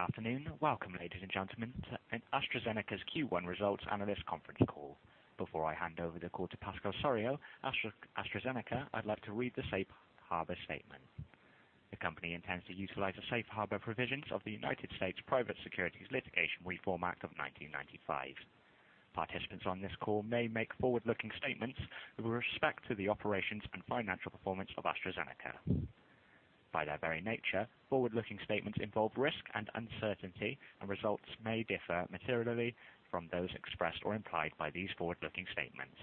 Good afternoon. Welcome, ladies and gentlemen, to AstraZeneca's Q1 results analyst conference call. Before I hand over the call to Pascal Soriot, AstraZeneca, I'd like to read the safe harbor statement. The company intends to utilize the safe harbor provisions of the United States Private Securities Litigation Reform Act of 1995. Participants on this call may make forward-looking statements with respect to the operations and financial performance of AstraZeneca. By their very nature, forward-looking statements involve risk and uncertainty, and results may differ materially from those expressed or implied by these forward-looking statements.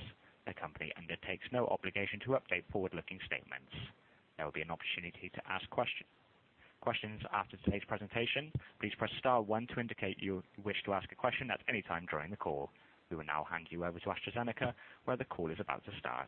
The company undertakes no obligation to update forward-looking statements. There will be an opportunity to ask questions after today's presentation. Please press star one to indicate you wish to ask a question at any time during the call. We will now hand you over to AstraZeneca, where the call is about to start.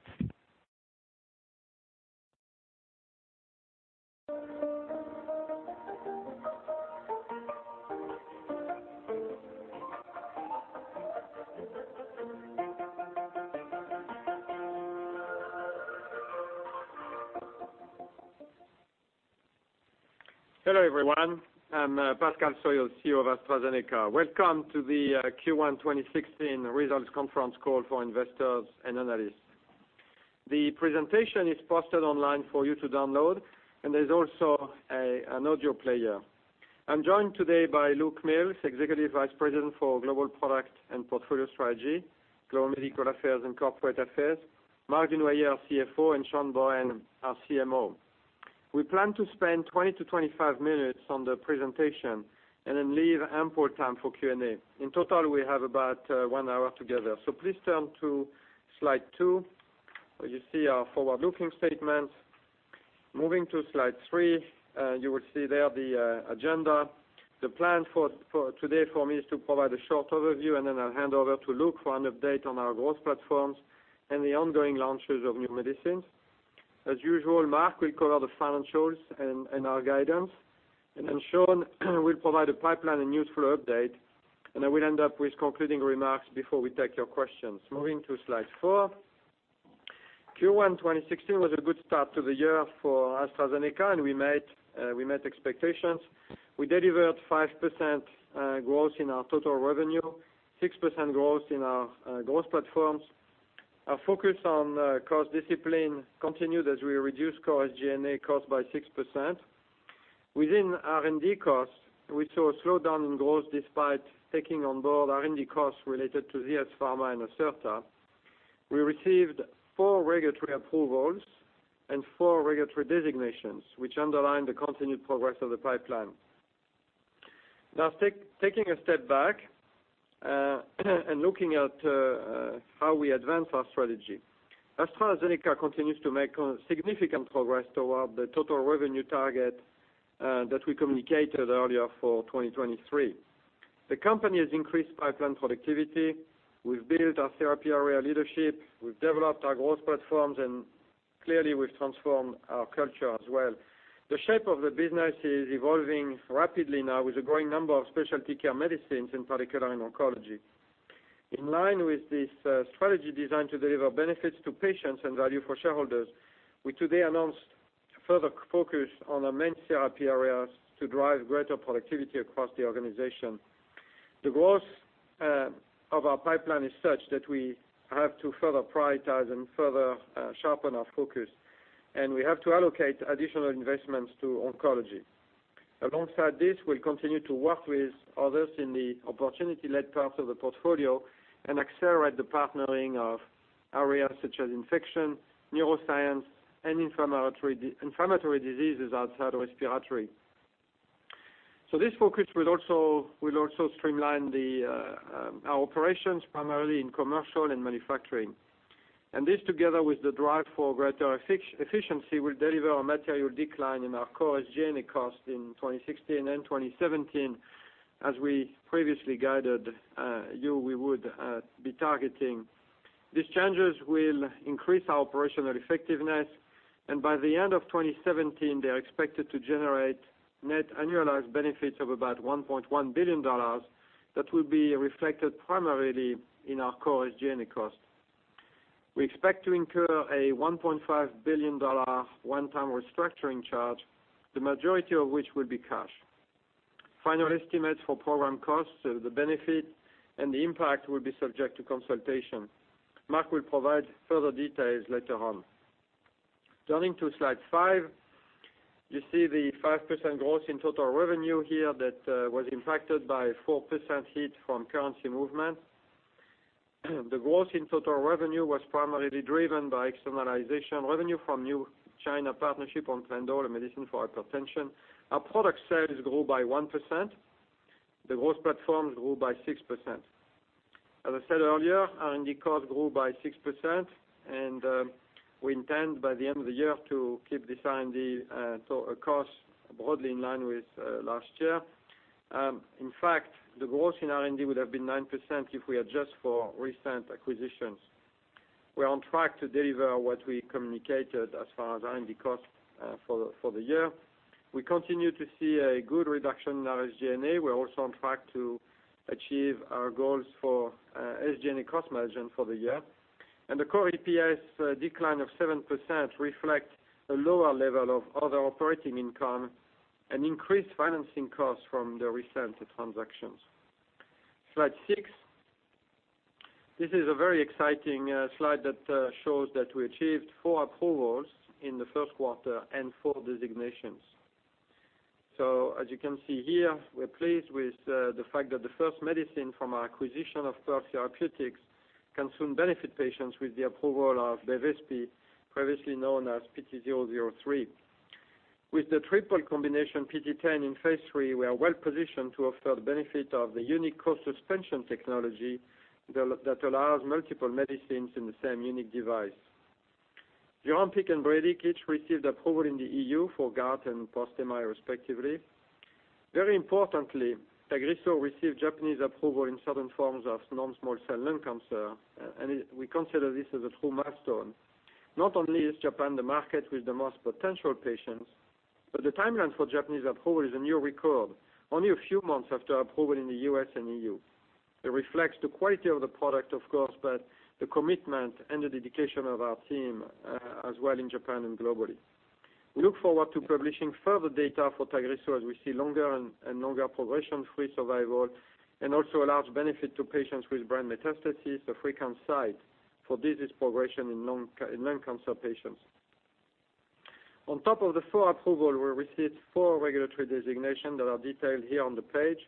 Hello, everyone. I'm Pascal Soriot, CEO of AstraZeneca. Welcome to the Q1 2016 results conference call for investors and analysts. The presentation is posted online for you to download, and there's also an audio player. I'm joined today by Luke Miels, Executive Vice President for Global Product and Portfolio Strategy, Global Medical Affairs and Corporate Affairs, Marc Dunoyer, our CFO, and Sean Bohen, our CMO. We plan to spend 20-25 minutes on the presentation and then leave ample time for Q&A. In total, we have about one hour together. Please turn to Slide two, where you see our forward-looking statement. Moving to Slide three, you will see there the agenda. The plan for today for me is to provide a short overview, and then I'll hand over to Luke for an update on our growth platforms and the ongoing launches of new medicines. As usual, Marc will cover the financials and our guidance. Sean will provide a pipeline and useful update, and I will end up with concluding remarks before we take your questions. Moving to Slide four. Q1 2016 was a good start to the year for AstraZeneca, and we met expectations. We delivered 5% growth in our total revenue, 6% growth in our growth platforms. Our focus on cost discipline continued as we reduced core SG&A costs by 6%. Within R&D costs, we saw a slowdown in growth despite taking on board R&D costs related to ZS Pharma and Acerta. We received four regulatory approvals and four regulatory designations, which underline the continued progress of the pipeline. Taking a step back and looking at how we advance our strategy. AstraZeneca continues to make significant progress toward the total revenue target that we communicated earlier for 2023. The company has increased pipeline productivity. We've built our therapy area leadership. We've developed our growth platforms. Clearly, we've transformed our culture as well. The shape of the business is evolving rapidly now with a growing number of specialty care medicines, in particular in oncology. In line with this strategy designed to deliver benefits to patients and value for shareholders, we today announced a further focus on our main therapy areas to drive greater productivity across the organization. The growth of our pipeline is such that we have to further prioritize and further sharpen our focus. We have to allocate additional investments to oncology. Alongside this, we'll continue to work with others in the opportunity-led parts of the portfolio and accelerate the partnering of areas such as infection, neuroscience, and inflammatory diseases outside of respiratory. This focus will also streamline our operations, primarily in commercial and manufacturing. This, together with the drive for greater efficiency, will deliver a material decline in our core SG&A cost in 2016 and 2017, as we previously guided you we would be targeting. These changes will increase our operational effectiveness, and by the end of 2017, they are expected to generate net annualized benefits of about $1.1 billion that will be reflected primarily in our core SG&A cost. We expect to incur a $1.5 billion one-time restructuring charge, the majority of which will be cash. Final estimates for program costs, the benefit, and the impact will be subject to consultation. Marc will provide further details later on. Turning to Slide 5, you see the 5% growth in total revenue here that was impacted by 4% hit from currency movement. The growth in total revenue was primarily driven by externalization revenue from new China partnership on Plendil, a medicine for hypertension. Our product sales grew by 1%. The growth platforms grew by 6%. As I said earlier, R&D cost grew by 6%, and we intend by the end of the year to keep this R&D cost broadly in line with last year. In fact, the growth in R&D would have been 9% if we adjust for recent acquisitions. We're on track to deliver what we communicated as far as R&D cost for the year. We continue to see a good reduction in our SG&A. We're also on track to achieve our goals for SG&A cost management for the year. The core EPS decline of 7% reflects a lower level of other operating income and increased financing costs from the recent transactions. Slide six. This is a very exciting slide that shows that we achieved four approvals in the first quarter and four designations. As you can see here, we're pleased with the fact that the first medicine from our acquisition of Pearl Therapeutics can soon benefit patients with the approval of Bevespi, previously known as PT003. With the triple combination PT010 in phase III, we are well-positioned to offer the benefit of the unique co-suspension technology that allows multiple medicines in the same unique device. Duaklir and Brilique each received approval in the EU for gout and post MI, respectively. Very importantly, Tagrisso received Japanese approval in certain forms of non-small cell lung cancer, and we consider this as a true milestone. Not only is Japan the market with the most potential patients, but the timeline for Japanese approval is a new record, only a few months after approval in the U.S. and EU. It reflects the quality of the product, of course, but the commitment and the dedication of our team as well in Japan and globally. We look forward to publishing further data for Tagrisso as we see longer and longer progression-free survival, and also a large benefit to patients with brain metastases, a frequent site for disease progression in lung cancer patients. On top of the four approvals, we received four regulatory designations that are detailed here on the page.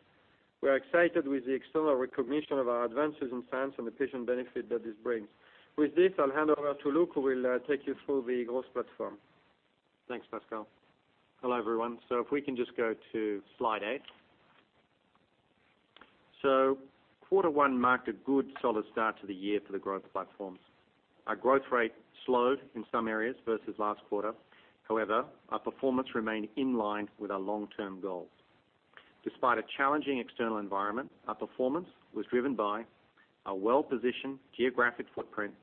We are excited with the external recognition of our advances in science and the patient benefit that this brings. With this, I'll hand over to Luke, who will take you through the growth platform. Thanks, Pascal. Hello, everyone. If we can just go to slide eight. Quarter 1 marked a good, solid start to the year for the growth platforms. Our growth rate slowed in some areas versus last quarter. However, our performance remained in line with our long-term goals. Despite a challenging external environment, our performance was driven by our well-positioned geographic footprint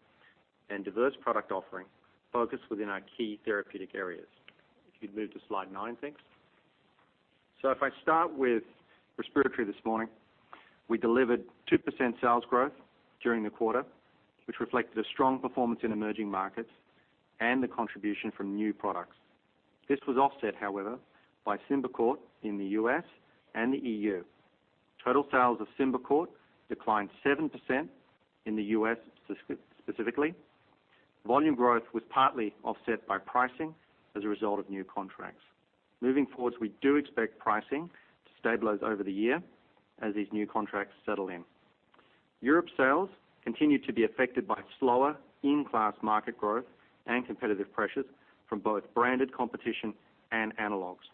and diverse product offering focused within our key therapeutic areas. If you'd move to slide nine, thanks. If I start with respiratory this morning, we delivered 2% sales growth during the quarter, which reflected a strong performance in emerging markets and the contribution from new products. This was offset, however, by Symbicort in the U.S. and the E.U. Total sales of Symbicort declined 7% in the U.S. specifically. Volume growth was partly offset by pricing as a result of new contracts. Moving forwards, we do expect pricing to stabilize over the year as these new contracts settle in. Europe sales continued to be affected by slower in-class market growth and competitive pressures from both branded competition and analogs.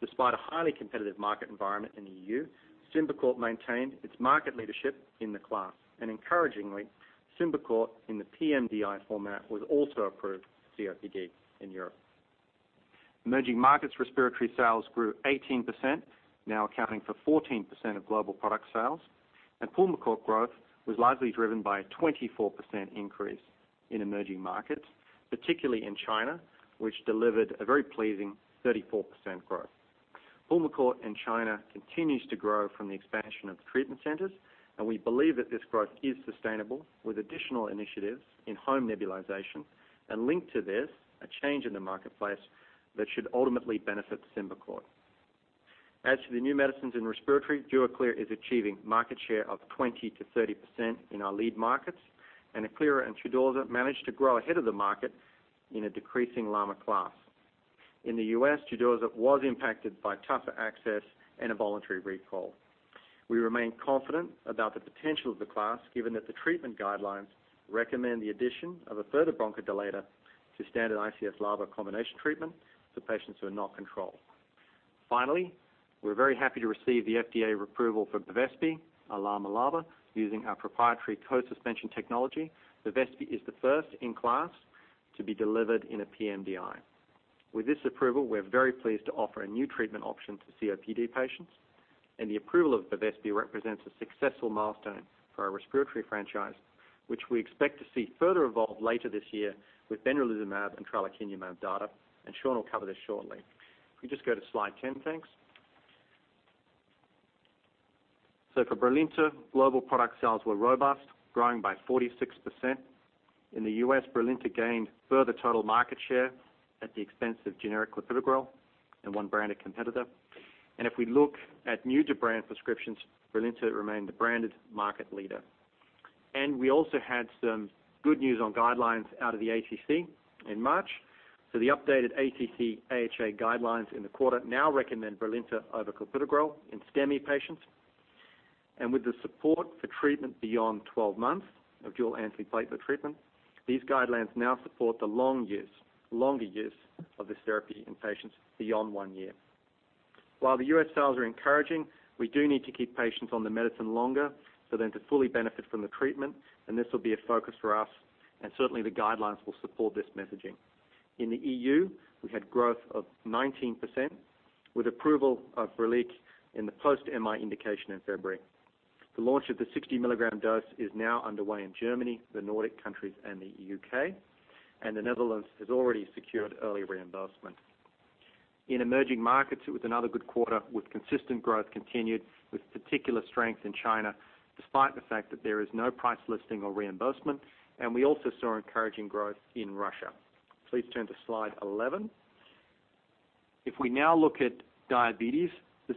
Despite a highly competitive market environment in the E.U., Symbicort maintained its market leadership in the class, and encouragingly, Symbicort in the pMDI format was also approved COPD in Europe. Emerging markets respiratory sales grew 18%, now accounting for 14% of global product sales, Pulmicort growth was largely driven by a 24% increase in emerging markets, particularly in China, which delivered a very pleasing 34% growth. Pulmicort in China continues to grow from the expansion of the treatment centers, we believe that this growth is sustainable with additional initiatives in home nebulization, and linked to this, a change in the marketplace that should ultimately benefit Symbicort. As to the new medicines in respiratory, Duaklir is achieving market share of 20%-30% in our lead markets, and Eklira and Tudorza managed to grow ahead of the market in a decreasing LAMA class. In the U.S., Tudorza was impacted by tougher access and a voluntary recall. We remain confident about the potential of the class, given that the treatment guidelines recommend the addition of a further bronchodilator to standard ICS LAMA combination treatment for patients who are not controlled. Finally, we're very happy to receive the FDA approval for Bevespi Aerosphere, a LAMA-LAMA, using our proprietary co-suspension technology. Bevespi Aerosphere is the first in class to be delivered in a pMDI. With this approval, we're very pleased to offer a new treatment option to COPD patients, the approval of Bevespi Aerosphere represents a successful milestone for our respiratory franchise, which we expect to see further evolve later this year with benralizumab and tralokinumab data, Sean will cover this shortly. If we just go to slide 10, thanks. For Brilinta, global product sales were robust, growing by 46%. In the U.S., Brilinta gained further total market share at the expense of generic clopidogrel and one branded competitor. If we look at new-to-brand prescriptions, Brilinta remained the branded market leader. We also had some good news on guidelines out of the ACC in March. The updated ACC/AHA guidelines in the quarter now recommend Brilinta over clopidogrel in STEMI patients. With the support for treatment beyond 12 months of dual antiplatelet treatment, these guidelines now support the longer use of this therapy in patients beyond one year. While the U.S. sales are encouraging, we do need to keep patients on the medicine longer for them to fully benefit from the treatment, and this will be a focus for us, and certainly the guidelines will support this messaging. In the EU, we had growth of 19% with approval of Brilinta in the post-MI indication in February. The launch of the 60-milligram dose is now underway in Germany, the Nordic countries, and the U.K., and the Netherlands has already secured early reimbursement. In emerging markets, it was another good quarter with consistent growth continued, with particular strength in China, despite the fact that there is no price listing or reimbursement. We also saw encouraging growth in Russia. Please turn to slide 11. If we now look at diabetes, the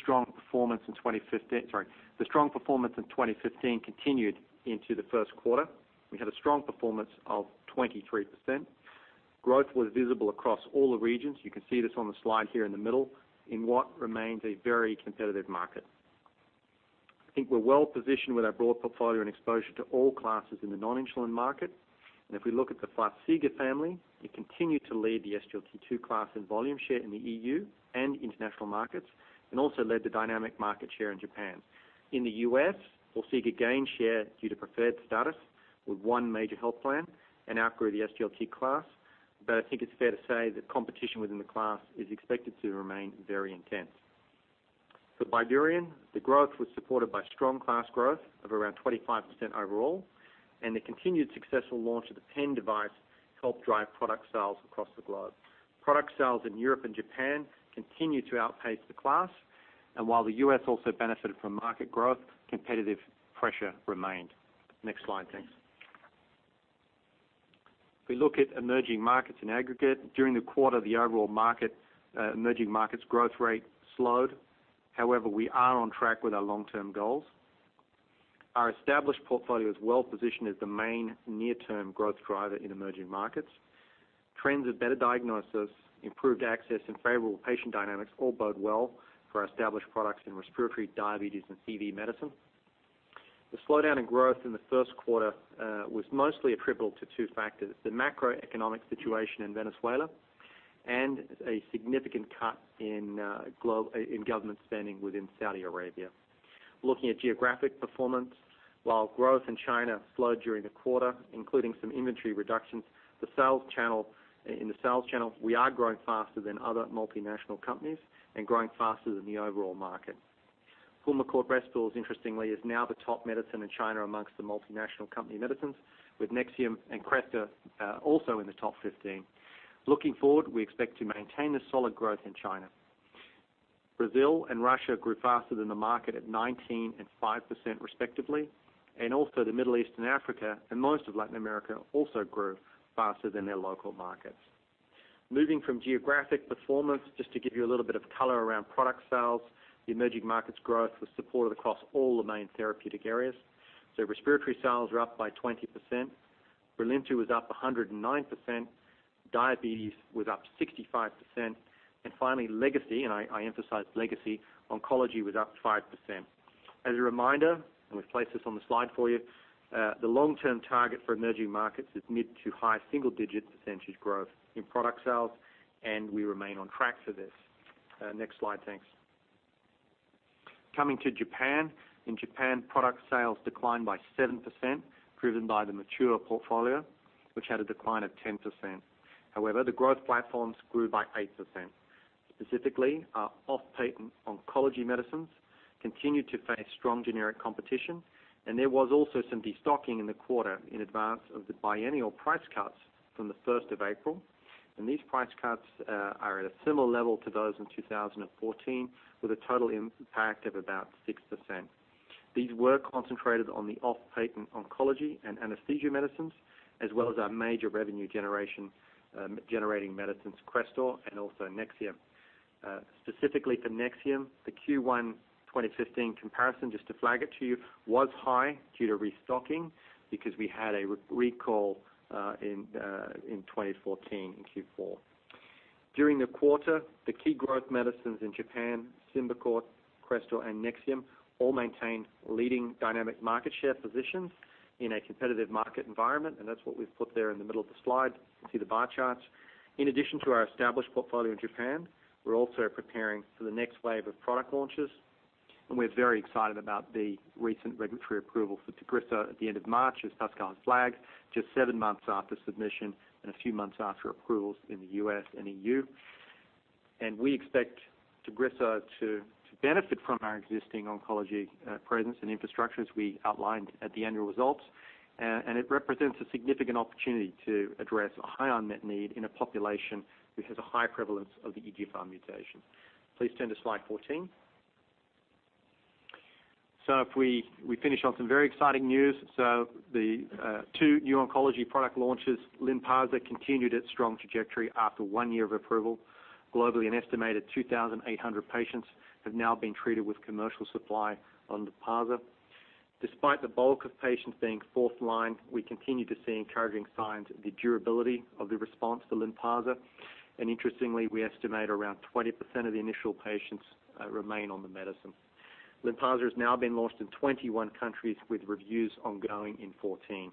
strong performance in 2015 continued into the first quarter. We had a strong performance of 23%. Growth was visible across all the regions, you can see this on the slide here in the middle, in what remains a very competitive market. I think we're well-positioned with our broad portfolio and exposure to all classes in the non-insulin market. If we look at the Forxiga family, it continued to lead the SGLT2 class in volume share in the EU and international markets, and also led the dynamic market share in Japan. In the U.S., Forxiga gained share due to preferred status with one major health plan and outgrew the SGLT class. I think it's fair to say that competition within the class is expected to remain very intense. For BYDUREON, the growth was supported by strong class growth of around 25% overall, and the continued successful launch of the pen device helped drive product sales across the globe. Product sales in Europe and Japan continue to outpace the class. While the U.S. also benefited from market growth, competitive pressure remained. Next slide, thanks. If we look at emerging markets in aggregate, during the quarter, the overall emerging markets growth rate slowed. However, we are on track with our long-term goals. Our established portfolio is well-positioned as the main near-term growth driver in emerging markets. Trends of better diagnosis, improved access, and favorable patient dynamics all bode well for our established products in respiratory, diabetes, and CV medicine. The slowdown in growth in the first quarter was mostly attributable to two factors, the macroeconomic situation in Venezuela, and a significant cut in government spending within Saudi Arabia. Looking at geographic performance, while growth in China slowed during the quarter, including some inventory reductions, in the sales channel, we are growing faster than other multinational companies and growing faster than the overall market. Pulmicort Respules, interestingly, is now the top medicine in China amongst the multinational company medicines, with Nexium and Crestor also in the top 15. Looking forward, we expect to maintain the solid growth in China. Brazil and Russia grew faster than the market at 19% and 5% respectively. The Middle East and Africa and most of Latin America also grew faster than their local markets. Moving from geographic performance, just to give you a little bit of color around product sales, the emerging markets growth was supported across all the main therapeutic areas. Respiratory sales are up by 20%, BRILINTA was up 109%, diabetes was up 65%, and finally, legacy, and I emphasize legacy, oncology was up 5%. As a reminder, and we've placed this on the slide for you, the long-term target for emerging markets is mid to high single-digit percentage growth in product sales, and we remain on track for this. Next slide, thanks. Coming to Japan. In Japan, product sales declined by 7%, driven by the mature portfolio, which had a decline of 10%. However, the growth platforms grew by 8%. Specifically, our off-patent oncology medicines continued to face strong generic competition, and there was also some de-stocking in the quarter in advance of the biennial price cuts from the 1st of April. These price cuts are at a similar level to those in 2014, with a total impact of about 6%. These were concentrated on the off-patent oncology and anesthesia medicines, as well as our major revenue-generating medicines, Crestor and also Nexium. Specifically for Nexium, the Q1 2015 comparison, just to flag it to you, was high due to restocking because we had a recall in 2014 in Q4. During the quarter, the key growth medicines in Japan, Symbicort, Crestor, and Nexium, all maintained leading dynamic market share positions in a competitive market environment, and that's what we've put there in the middle of the slide. You can see the bar charts. In addition to our established portfolio in Japan, we're also preparing for the next wave of product launches, and we're very excited about the recent regulatory approval for Tagrisso at the end of March, as Pascal has flagged, just seven months after submission and a few months after approvals in the U.S. and EU. We expect Tagrisso to benefit from our existing oncology presence and infrastructure, as we outlined at the annual results. It represents a significant opportunity to address a high unmet need in a population which has a high prevalence of the EGFR mutation. Please turn to slide 14. If we finish on some very exciting news. The two new oncology product launches, LYNPARZA continued its strong trajectory after one year of approval. Globally, an estimated 2,800 patients have now been treated with commercial supply on LYNPARZA. Despite the bulk of patients being fourth line, we continue to see encouraging signs of the durability of the response to LYNPARZA. Interestingly, we estimate around 20% of the initial patients remain on the medicine. LYNPARZA has now been launched in 21 countries with reviews ongoing in 14.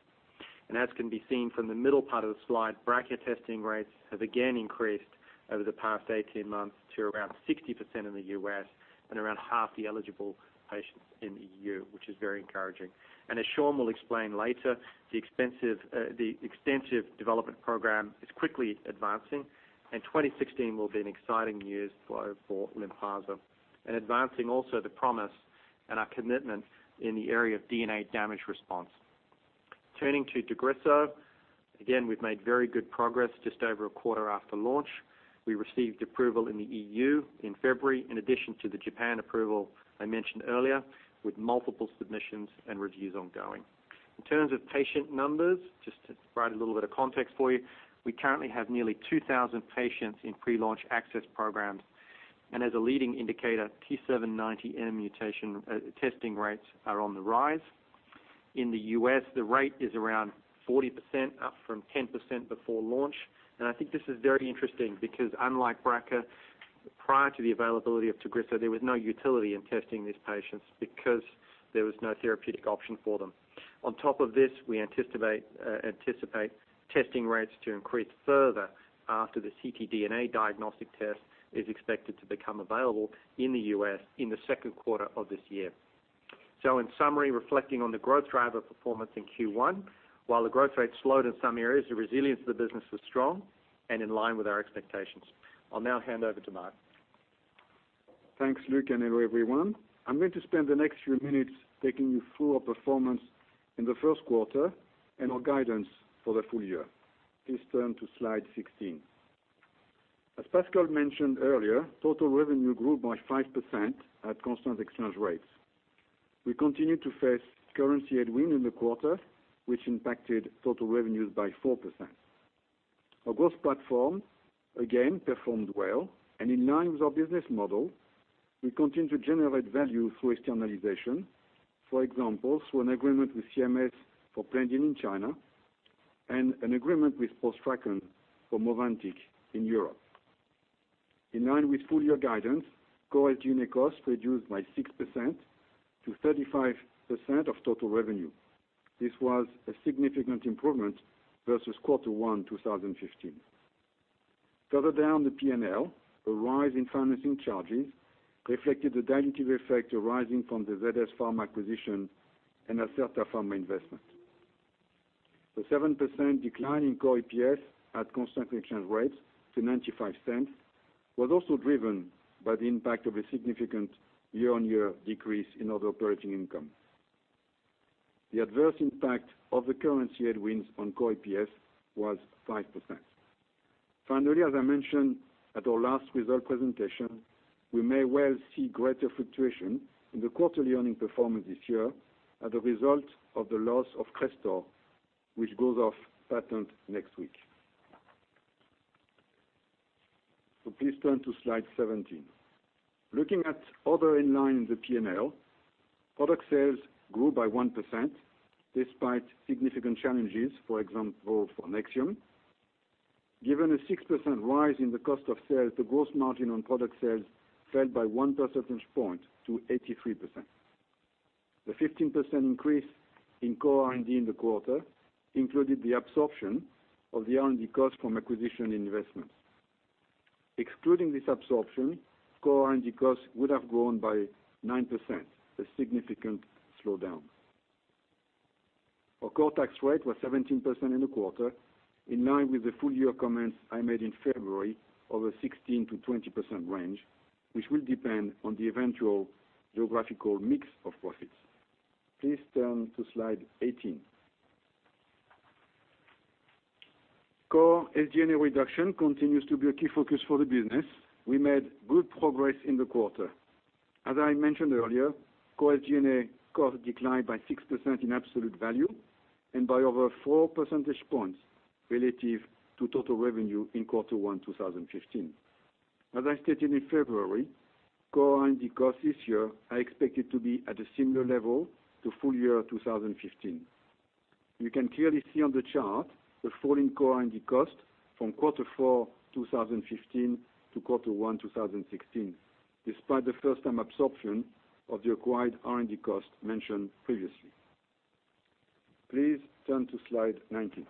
As can be seen from the middle part of the slide, BRCA testing rates have again increased over the past 18 months to around 60% in the U.S. and around half the eligible patients in the EU, which is very encouraging. As Sean will explain later, the extensive development program is quickly advancing, and 2016 will be an exciting year for LYNPARZA. Advancing also the promise and our commitment in the area of DNA damage response. Turning to Tagrisso. Again, we've made very good progress just over a quarter after launch. We received approval in the EU in February, in addition to the Japan approval I mentioned earlier, with multiple submissions and reviews ongoing. In terms of patient numbers, just to provide a little bit of context for you, we currently have nearly 2,000 patients in pre-launch access programs. As a leading indicator, T790M mutation testing rates are on the rise. In the U.S., the rate is around 40%, up from 10% before launch. I think this is very interesting because, unlike BRCA, prior to the availability of Tagrisso, there was no utility in testing these patients because there was no therapeutic option for them. On top of this, we anticipate testing rates to increase further after the ctDNA diagnostic test is expected to become available in the U.S. in the second quarter of this year. In summary, reflecting on the growth driver performance in Q1, while the growth rate slowed in some areas, the resilience of the business was strong and in line with our expectations. I'll now hand over to Marc. Thanks, Luke. Hello, everyone. I'm going to spend the next few minutes taking you through our performance in the first quarter and our guidance for the full year. Please turn to Slide 16. As Pascal mentioned earlier, total revenue grew by 5% at constant exchange rates. We continued to face currency headwind in the quarter, which impacted total revenues by 4%. Our growth platform again performed well. In line with our business model, we continue to generate value through externalization. For example, through an agreement with CMS for Plendil in China, an agreement with ProStrakan for Movantik in Europe. In line with full-year guidance, core SG&A costs reduced by 6% to 35% of total revenue. This was a significant improvement versus quarter 1 2015. Further down the P&L, a rise in financing charges reflected the dilutive effect arising from the ZS Pharma acquisition and Acerta Pharma investment. The 7% decline in core EPS at constant exchange rates to $0.95 was also driven by the impact of a significant year-on-year decrease in other operating income. The adverse impact of the currency headwinds on core EPS was 5%. Finally, as I mentioned at our last result presentation, we may well see greater fluctuation in the quarterly earning performance this year as a result of the loss of Crestor, which goes off patent next week. Please turn to Slide 17. Looking at other in line in the P&L, product sales grew by 1%, despite significant challenges, for example, for Nexium. Given a 6% rise in the cost of sales, the gross margin on product sales fell by one percentage point to 83%. The 15% increase in core R&D in the quarter included the absorption of the R&D cost from acquisition investments. Excluding this absorption, core R&D costs would have grown by 9%, a significant slowdown. Our core tax rate was 17% in the quarter, in line with the full-year comments I made in February of a 16%-20% range, which will depend on the eventual geographical mix of profits. Please turn to Slide 18. Core SG&A reduction continues to be a key focus for the business. We made good progress in the quarter. As I mentioned earlier, core SG&A costs declined by 6% in absolute value and by over four percentage points relative to total revenue in quarter 1 2015. As I stated in February, core R&D costs this year are expected to be at a similar level to full-year 2015. You can clearly see on the chart the falling core R&D cost from quarter four 2015 to quarter one 2016, despite the first-time absorption of the acquired R&D cost mentioned previously. Please turn to Slide 19.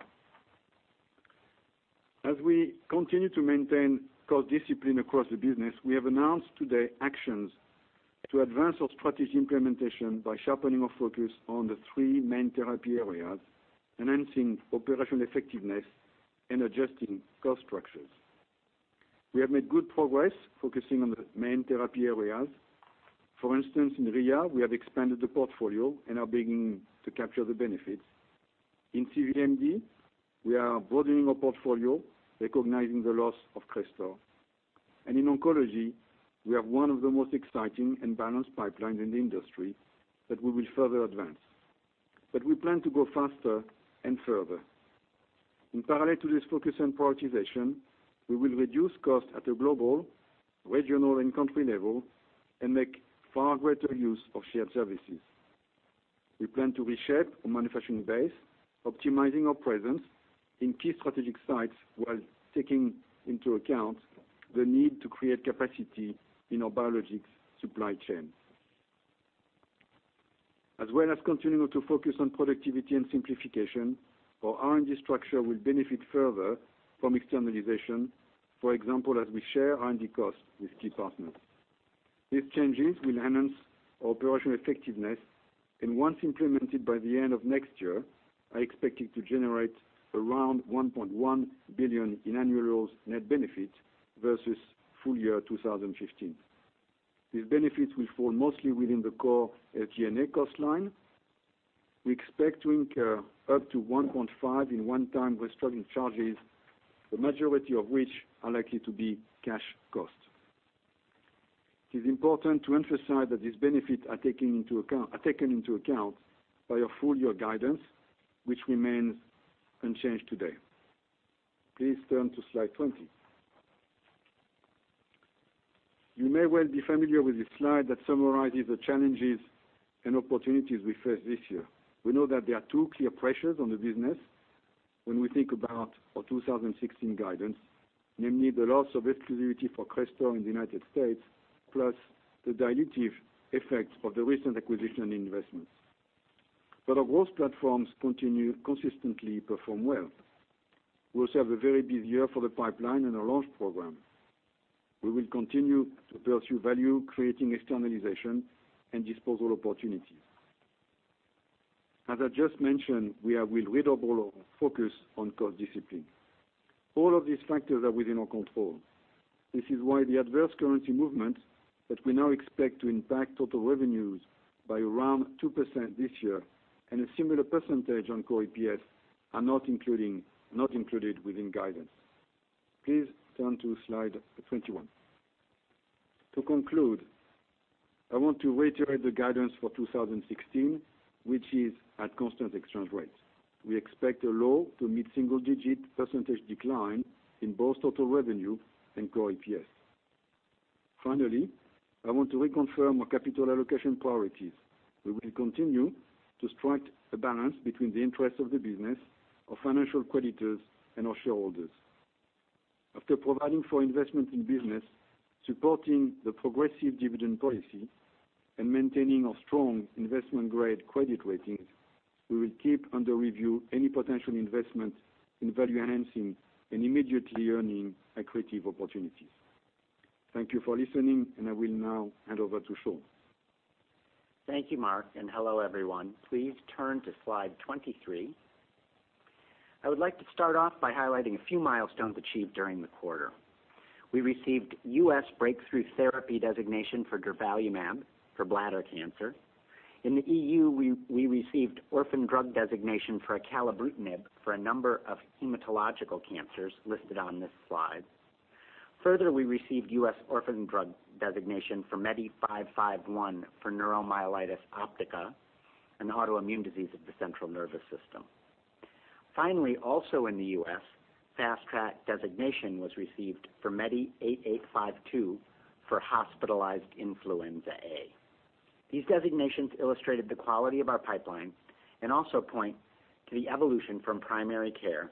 As we continue to maintain cost discipline across the business, we have announced today actions to advance our strategy implementation by sharpening our focus on the three main therapy areas, enhancing operational effectiveness, and adjusting cost structures. We have made good progress focusing on the main therapy areas. For instance, in RIA, we have expanded the portfolio and are beginning to capture the benefits. In CVMD, we are broadening our portfolio, recognizing the loss of Crestor. In oncology, we have one of the most exciting and balanced pipelines in the industry that we will further advance. We plan to go faster and further. In parallel to this focus on prioritization, we will reduce costs at a global, regional, and country level and make far greater use of shared services. We plan to reshape our manufacturing base, optimizing our presence in key strategic sites while taking into account the need to create capacity in our biologics supply chain. As well as continuing to focus on productivity and simplification, our R&D structure will benefit further from externalization, for example, as we share R&D costs with key partners. These changes will enhance our operational effectiveness, and once implemented by the end of next year, are expected to generate around $1.1 billion in annual net benefit versus full year 2015. These benefits will fall mostly within the core SG&A cost line. We expect to incur up to 1.5 billion in one-time restructuring charges, the majority of which are likely to be cash costs. It is important to emphasize that these benefits are taken into account by our full-year guidance, which remains unchanged today. Please turn to Slide 20. You may well be familiar with this slide that summarizes the challenges and opportunities we face this year. We know that there are two clear pressures on the business when we think about our 2016 guidance, namely the loss of exclusivity for Crestor in the U.S., plus the dilutive effect of the recent acquisition investments. Our growth platforms consistently perform well. We also have a very busy year for the pipeline and our launch program. We will continue to pursue value-creating externalization and disposal opportunities. As I just mentioned, we are redoubling our focus on cost discipline. All of these factors are within our control. This is why the adverse currency movement that we now expect to impact total revenues by around 2% this year and a similar percentage on core EPS are not included within guidance. Please turn to Slide 21. To conclude, I want to reiterate the guidance for 2016, which is at constant exchange rates. We expect a low to mid-single-digit percentage decline in both total revenue and core EPS. Finally, I want to reconfirm our capital allocation priorities. We will continue to strike a balance between the interests of the business, our financial creditors, and our shareholders. After providing for investment in business, supporting the progressive dividend policy, and maintaining our strong investment-grade credit ratings, we will keep under review any potential investment in value-enhancing and immediately earning accretive opportunities. Thank you for listening, and I will now hand over to Sean. Thank you, Marc, and hello, everyone. Please turn to slide 23. I would like to start off by highlighting a few milestones achieved during the quarter. We received U.S. breakthrough therapy designation for durvalumab for bladder cancer. In the EU, we received orphan drug designation for acalabrutinib for a number of hematological cancers listed on this slide. Further, we received U.S. orphan drug designation for MEDI-551 for neuromyelitis optica, an autoimmune disease of the central nervous system. Finally, also in the U.S., fast track designation was received for MEDI8852 for hospitalized influenza A. These designations illustrated the quality of our pipeline and also point to the evolution from primary care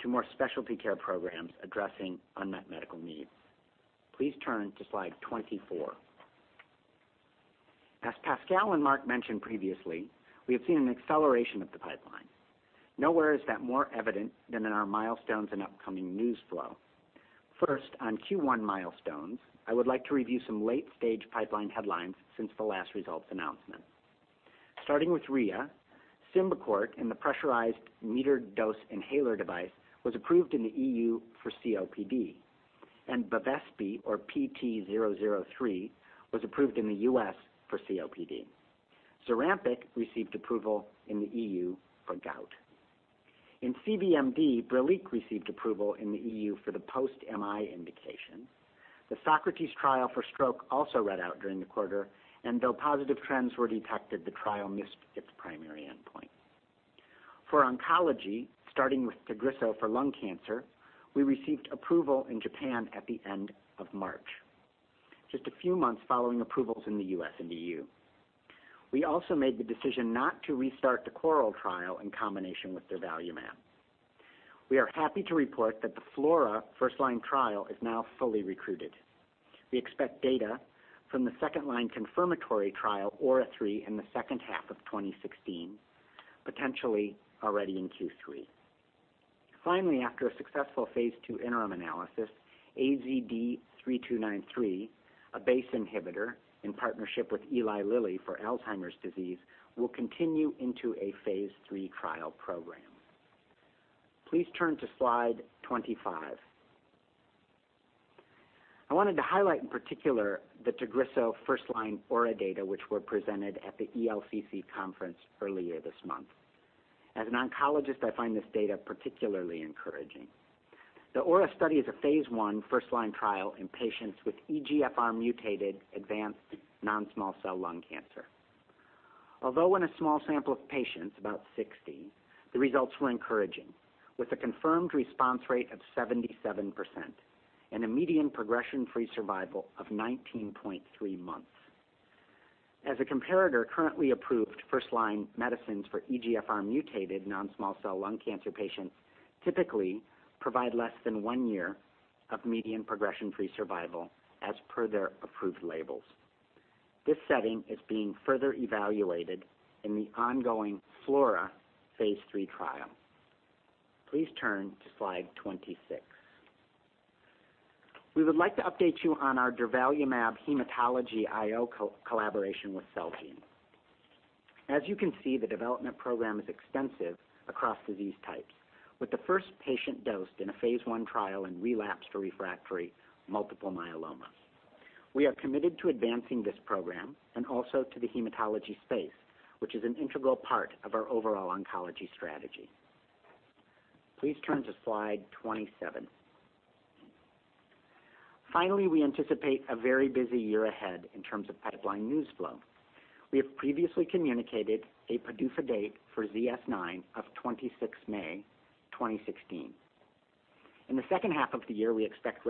to more specialty care programs addressing unmet medical needs. Please turn to slide 24. As Pascal and Marc mentioned previously, we have seen an acceleration of the pipeline. Nowhere is that more evident than in our milestones and upcoming news flow. First, on Q1 milestones, I would like to review some late-stage pipeline headlines since the last results announcement. Starting with RIA, Symbicort and the pressurized metered dose inhaler device was approved in the EU for COPD, and BEVESPI, or PT003, was approved in the U.S. for COPD. ZURAMPIC received approval in the EU for gout. In CVMD, Brilique received approval in the EU for the post-MI indication. The SOCRATES trial for stroke also read out during the quarter, and though positive trends were detected, the trial missed its primary endpoint. For oncology, starting with Tagrisso for lung cancer, we received approval in Japan at the end of March, just a few months following approvals in the U.S. and EU. We also made the decision not to restart the CORAL trial in combination with durvalumab. We are happy to report that the FLAURA first-line trial is now fully recruited. We expect data from the second-line confirmatory trial, AURA3, in the second half of 2016, potentially already in Q3. Finally, after a successful phase II interim analysis, AZD3293, a BACE inhibitor in partnership with Eli Lilly for Alzheimer's disease, will continue into a phase III trial program. Please turn to slide 25. I wanted to highlight in particular the Tagrisso first-line AURA data, which were presented at the ELCC conference earlier this month. As an oncologist, I find this data particularly encouraging. The AURA study is a phase I first-line trial in patients with EGFR mutated advanced non-small cell lung cancer. Although in a small sample of patients, about 60, the results were encouraging, with a confirmed response rate of 77% and a median progression-free survival of 19.3 months. As a comparator, currently approved first-line medicines for EGFR mutated non-small cell lung cancer patients typically provide less than one year of median progression-free survival as per their approved labels. This setting is being further evaluated in the ongoing FLAURA phase III trial. Please turn to slide 26. We would like to update you on our durvalumab hematology IO collaboration with Celgene. As you can see, the development program is extensive across disease types, with the first patient dosed in a phase I trial in relapsed or refractory multiple myeloma. We are committed to advancing this program and also to the hematology space, which is an integral part of our overall oncology strategy. Please turn to slide 27. Finally, we anticipate a very busy year ahead in terms of pipeline news flow. We have previously communicated a PDUFA date for ZS-9 of 26 May 2016. In the second half of the year, we expect a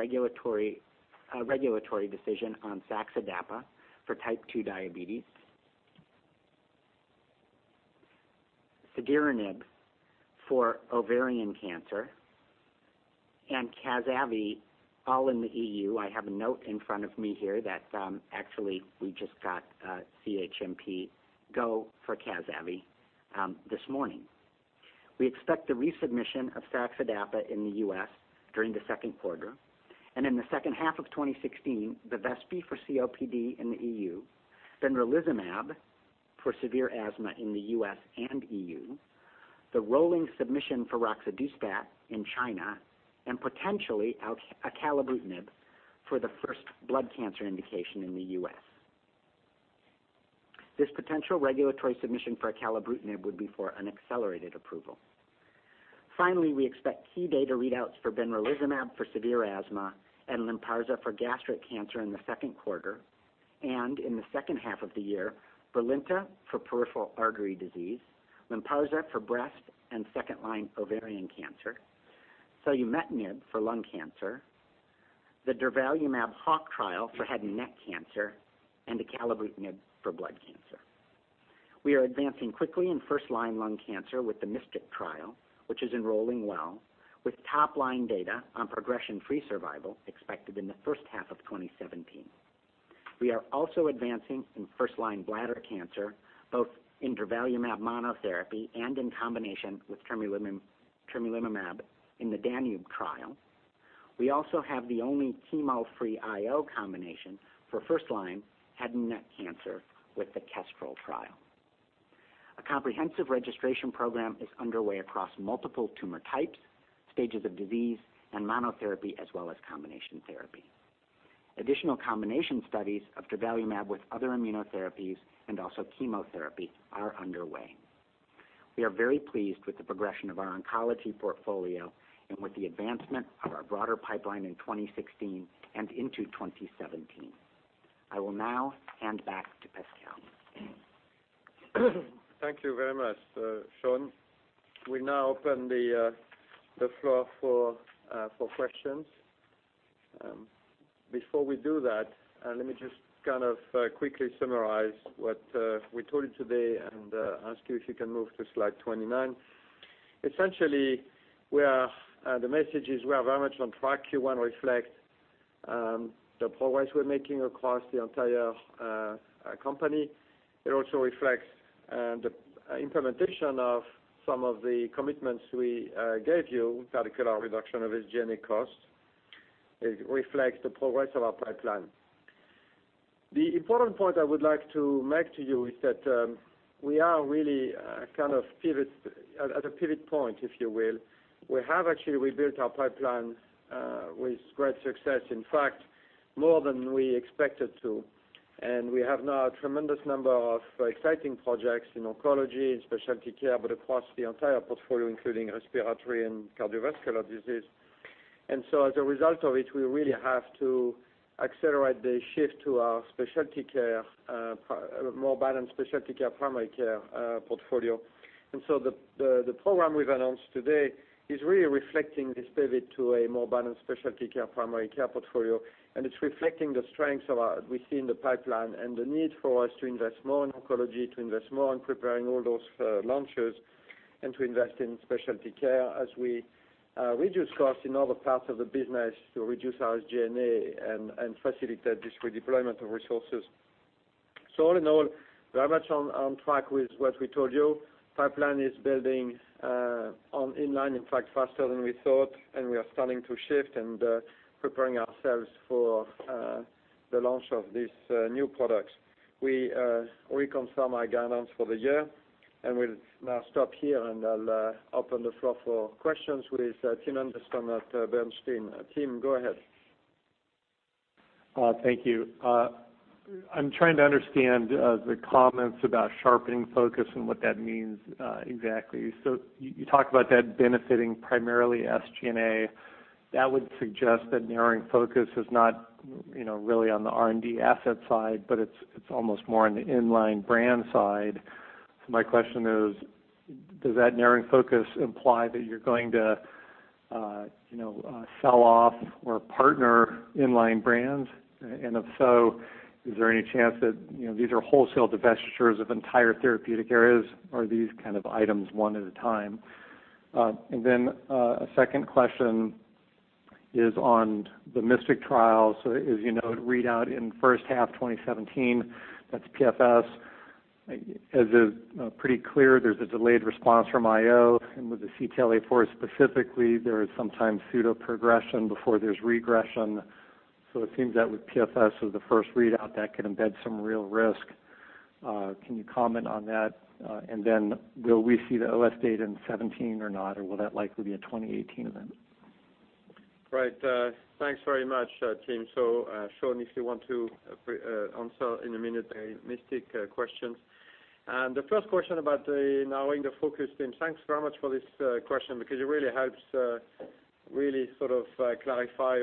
regulatory decision on saxa/dapa for type 2 diabetes, cediranib for ovarian cancer, and Zavicefta all in the EU. I have a note in front of me here that actually we just got a CHMP go for Zavicefta this morning. We expect the resubmission of saxa/dapa in the U.S. during the second quarter, and in the second half of 2016, bevespi for COPD in the EU, benralizumab for severe asthma in the U.S. and EU, the rolling submission for roxadustat in China, and potentially acalabrutinib for the first blood cancer indication in the U.S. This potential regulatory submission for acalabrutinib would be for an accelerated approval. Finally, we expect key data readouts for benralizumab for severe asthma and LYNPARZA for gastric cancer in the second quarter, and in the second half of the year, BRILINTA for peripheral artery disease, LYNPARZA for breast and second-line ovarian cancer, selumetinib for lung cancer, the durvalumab HAWK trial for head and neck cancer, and acalabrutinib for blood cancer. We are advancing quickly in first-line lung cancer with the MYSTIC trial, which is enrolling well, with top-line data on progression-free survival expected in the first half of 2017. We are also advancing in first-line bladder cancer, both in durvalumab monotherapy and in combination with tremelimumab in the DANUBE trial. We also have the only chemo-free IO combination for first-line head and neck cancer with the KESTREL trial. A comprehensive registration program is underway across multiple tumor types, stages of disease, and monotherapy, as well as combination therapy. Additional combination studies of durvalumab with other immunotherapies and also chemotherapy are underway. We are very pleased with the progression of our oncology portfolio and with the advancement of our broader pipeline in 2016 and into 2017. I will now hand back to Pascal. Thank you very much, Sean. We now open the floor for questions. Before we do that, let me just quickly summarize what we told you today and ask you if you can move to slide 29. Essentially, the message is we are very much on track. Q1 reflects the progress we're making across the entire company. It also reflects the implementation of some of the commitments we gave you, in particular, reduction of SG&A costs. It reflects the progress of our pipeline. The important point I would like to make to you is that we are really at a pivot point, if you will. We have actually rebuilt our pipeline with great success, in fact, more than we expected to. We have now a tremendous number of exciting projects in oncology and specialty care, but across the entire portfolio, including respiratory and cardiovascular disease. As a result of it, we really have to accelerate the shift to our more balanced specialty care, primary care portfolio. The program we've announced today is really reflecting this pivot to a more balanced specialty care, primary care portfolio, and it's reflecting the strengths we see in the pipeline and the need for us to invest more in oncology, to invest more in preparing all those launches, and to invest in specialty care as we reduce costs in other parts of the business to reduce our SG&A and facilitate this redeployment of resources. All in all, we are very much on track with what we told you. Pipeline is building on in line, in fact, faster than we thought, and we are starting to shift and preparing ourselves for the launch of these new products. We reconfirm our guidance for the year, we'll now stop here, and I'll open the floor for questions with Tim Anderson at Bernstein. Tim, go ahead. Thank you. I'm trying to understand the comments about sharpening focus and what that means exactly. You talked about that benefiting primarily SG&A. That would suggest that narrowing focus is not really on the R&D asset side, but it's almost more on the in-line brand side. My question is, does that narrowing focus imply that you're going to sell off or partner in-line brands? If so, is there any chance that these are wholesale divestitures of entire therapeutic areas? Are these kind of items one at a time? A second question is on the MYSTIC trial. As you know, readout in the first half of 2017, that's PFS. As is pretty clear, there's a delayed response from IO, and with the CTLA-4 specifically, there is sometimes pseudoprogression before there's regression. It seems that with PFS was the first readout that could embed some real risk. Can you comment on that? Will we see the OS data in 2017 or not, or will that likely be a 2018 event? Right. Thanks very much, Tim. Sean, if you want to answer in a minute the MYSTIC question. The first question about the narrowing the focus, Tim, thanks very much for this question because it really helps clarify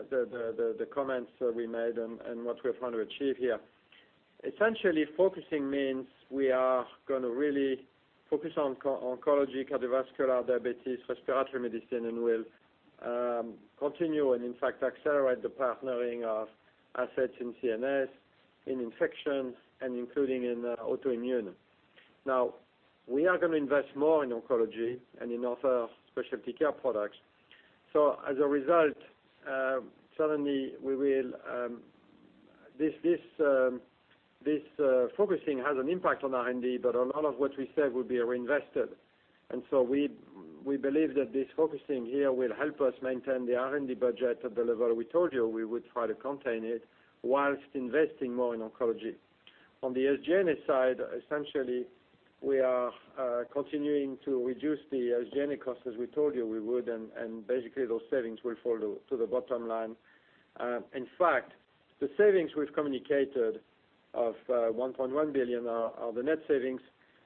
the comments that we made and what we are trying to achieve here. Essentially, focusing means we are going to really focus on oncology, cardiovascular, diabetes, respiratory medicine, and we will continue and in fact accelerate the partnering of assets in CNS, in infections, and including in autoimmune. Now, we are going to invest more in oncology and in other specialty care products. As a result, suddenly this focusing has an impact on R&D, but a lot of what we save will be reinvested. We believe that this focusing here will help us maintain the R&D budget at the level we told you we would try to contain it whilst investing more in oncology. On the SG&A side, essentially, we are continuing to reduce the SG&A costs as we told you we would, and basically those savings will fall to the bottom line. In fact, the savings we have communicated of €1.1 billion are the net savings.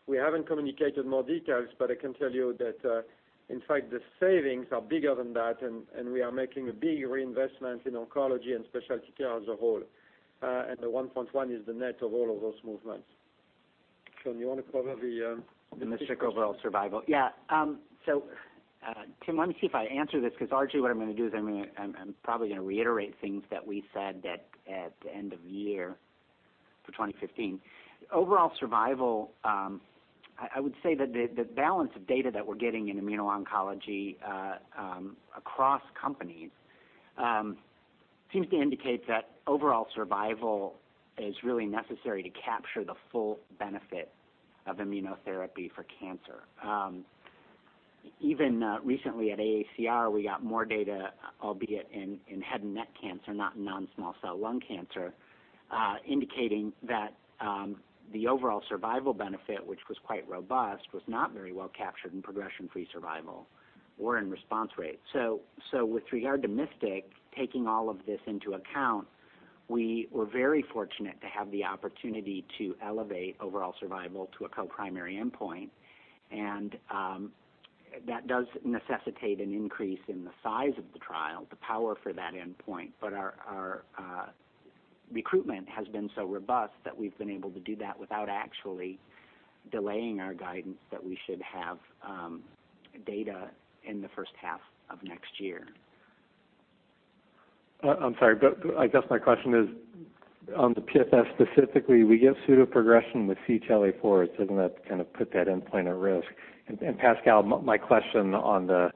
We haven't communicated more details, but I can tell you that, in fact, the savings are bigger than that, and we are making a big reinvestment in oncology and specialty care as a whole. The €1.1 billion is the net of all of those movements. Sean, you want to cover the- The MYSTIC overall survival. Tim, let me see if I answer this because largely what I am going to do is I am probably going to reiterate things that we said at the end of the year for 2015. Overall survival, I would say that the balance of data that we are getting in immuno-oncology across companies seems to indicate that overall survival is really necessary to capture the full benefit of immunotherapy for cancer. Even recently at AACR, we got more data, albeit in head and neck cancer, not non-small cell lung cancer indicating that the overall survival benefit, which was quite robust, was not very well captured in progression-free survival or in response rates. With regard to MYSTIC, taking all of this into account, we were very fortunate to have the opportunity to elevate overall survival to a co-primary endpoint, and that does necessitate an increase in the size of the trial, the power for that endpoint. Our recruitment has been so robust that we have been able to do that without actually delaying our guidance that we should have data in the first half of next year. I'm sorry, but I guess my question is on the PFS specifically, we give pseudo progression with CTLA-4s, doesn't that kind of put that endpoint at risk? Pascal, my question on the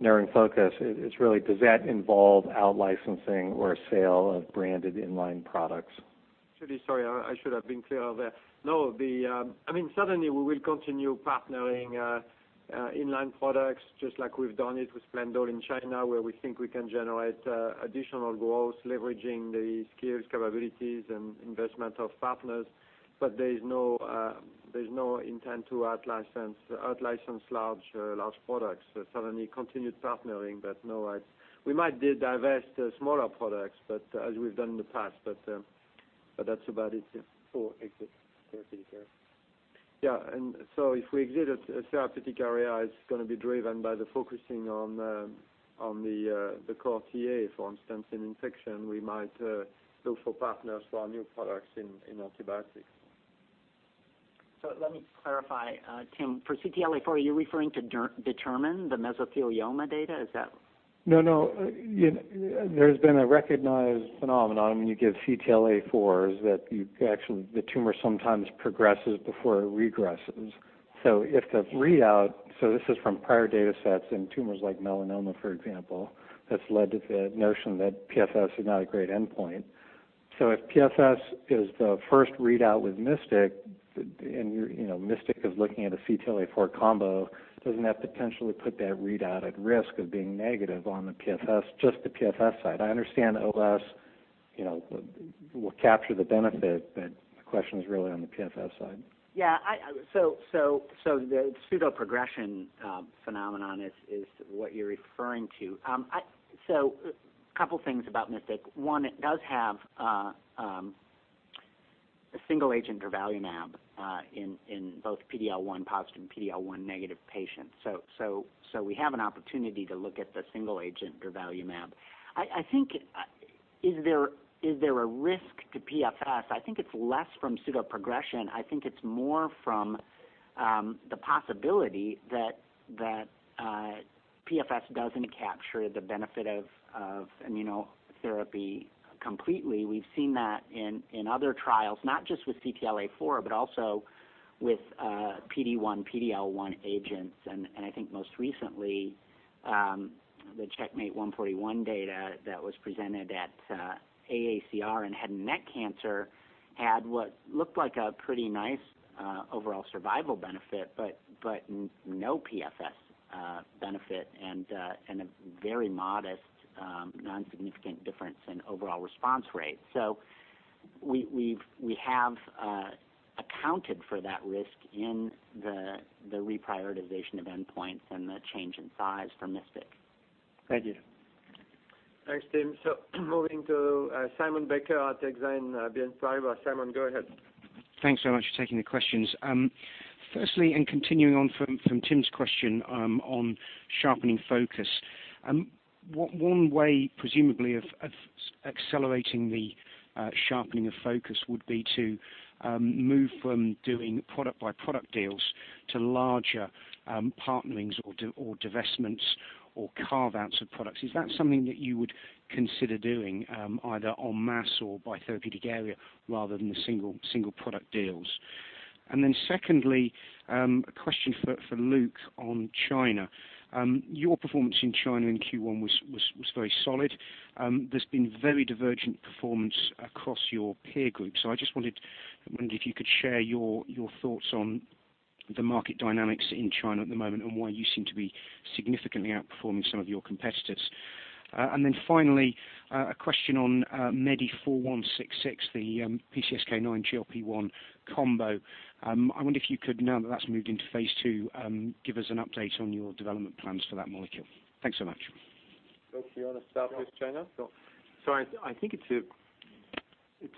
narrowing focus is really does that involve out licensing or sale of branded in-line products? Actually, sorry, I should have been clear there. No, certainly we will continue partnering in-line products just like we've done it with Plendil in China, where we think we can generate additional growth, leveraging the skills, capabilities, and investment of partners. There's no intent to out license large products. Certainly continued partnering, but no. We might divest smaller products as we've done in the past, but that's about it. For exit therapeutic area. Yeah. If we exit a therapeutic area, it's going to be driven by the focusing on the core TA. For instance, in infection, we might look for partners for our new products in antibiotics. Let me clarify, Tim. For CTLA-4, are you referring to DETERMINE the mesothelioma data? No. There's been a recognized phenomenon when you give CTLA-4s that the tumor sometimes progresses before it regresses. If the readout, this is from prior data sets in tumors like melanoma, for example, that's led to the notion that PFS is not a great endpoint. If PFS is the first readout with MYSTIC, and MYSTIC is looking at a CTLA-4 combo, doesn't that potentially put that readout at risk of being negative on just the PFS side? I understand OS will capture the benefit, but the question is really on the PFS side. Yeah. The pseudo progression phenomenon is what you're referring to. A couple things about MYSTIC. One, it does have a single agent durvalumab in both PD-L1 positive and PD-L1 negative patients. We have an opportunity to look at the single agent durvalumab. I think is there a risk to PFS? I think it's less from pseudo progression. I think it's more from the possibility that PFS doesn't capture the benefit of immunotherapy completely. We've seen that in other trials, not just with CTLA-4, but also with PD-1, PD-L1 agents. I think most recently the CheckMate 141 data that was presented at AACR in head and neck cancer had what looked like a pretty nice overall survival benefit, but no PFS benefit and a very modest, non-significant difference in overall response rate. We have accounted for that risk in the reprioritization of endpoints and the change in size for MYSTIC. Thank you. Thanks, Tim. Moving to Simon Baker at Exane BNP Paribas. Simon, go ahead. Thanks so much for taking the questions. Firstly, continuing on from Tim's question on sharpening focus. One way, presumably, of accelerating the sharpening of focus would be to move from doing product-by-product deals to larger partnerings or divestments or carve-outs of products. Is that something that you would consider doing either en masse or by therapeutic area rather than the single-product deals? Secondly, a question for Luke on China. Your performance in China in Q1 was very solid. There's been very divergent performance across your peer group. I just wondered if you could share your thoughts on the market dynamics in China at the moment and why you seem to be significantly outperforming some of your competitors. Finally, a question on MEDI4166, the PCSK9/GLP-1 combo. I wonder if you could, now that that's moved into phase II, give us an update on your development plans for that molecule. Thanks so much. Luke, do you want to start with China? Go. I think it's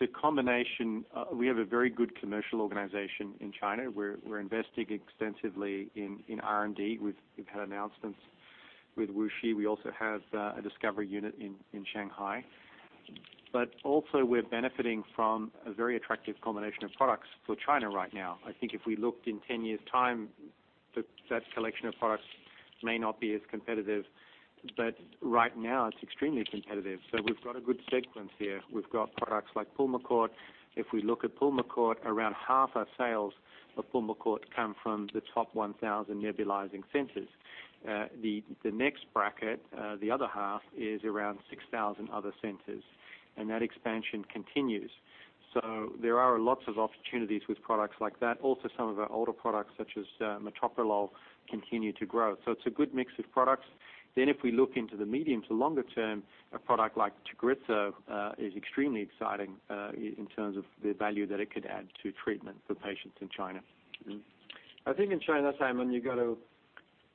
a combination. We have a very good commercial organization in China. We're investing extensively in R&D. We've had announcements with WuXi. We also have a discovery unit in Shanghai. Also, we're benefiting from a very attractive combination of products for China right now. I think if we looked in 10 years' time, that collection of products may not be as competitive, but right now it's extremely competitive. We've got a good sequence here. We've got products like Pulmicort. If we look at Pulmicort, around half our sales of Pulmicort come from the top 1,000 nebulizing centers. The next bracket, the other half, is around 6,000 other centers, and that expansion continues. There are lots of opportunities with products like that. Also, some of our older products, such as metoprolol, continue to grow. It's a good mix of products. If we look into the medium to longer term, a product like Tagrisso is extremely exciting in terms of the value that it could add to treatment for patients in China. I think in China, Simon, you got to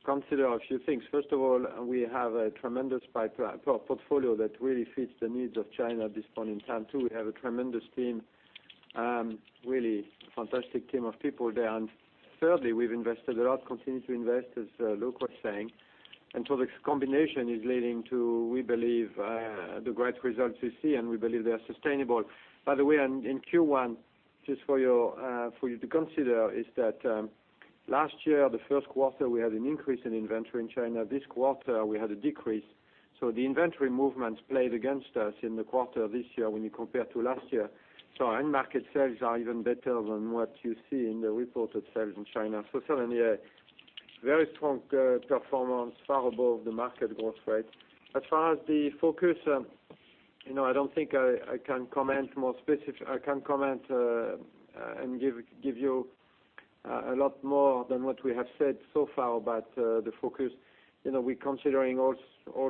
consider a few things. First of all, we have a tremendous portfolio that really fits the needs of China at this point in time. Two, we have a tremendous team, really fantastic team of people there. Thirdly, we've invested a lot, continue to invest, as Luke was saying. This combination is leading to, we believe, the great results we see, and we believe they are sustainable. By the way, in Q1, just for you to consider, is that last year, the first quarter, we had an increase in inventory in China. This quarter, we had a decrease. The inventory movements played against us in the quarter this year when you compare to last year. End market sales are even better than what you see in the reported sales in China. Certainly a very strong performance, far above the market growth rate. As far as the focus, I don't think I can comment and give you a lot more than what we have said so far about the focus. We're considering all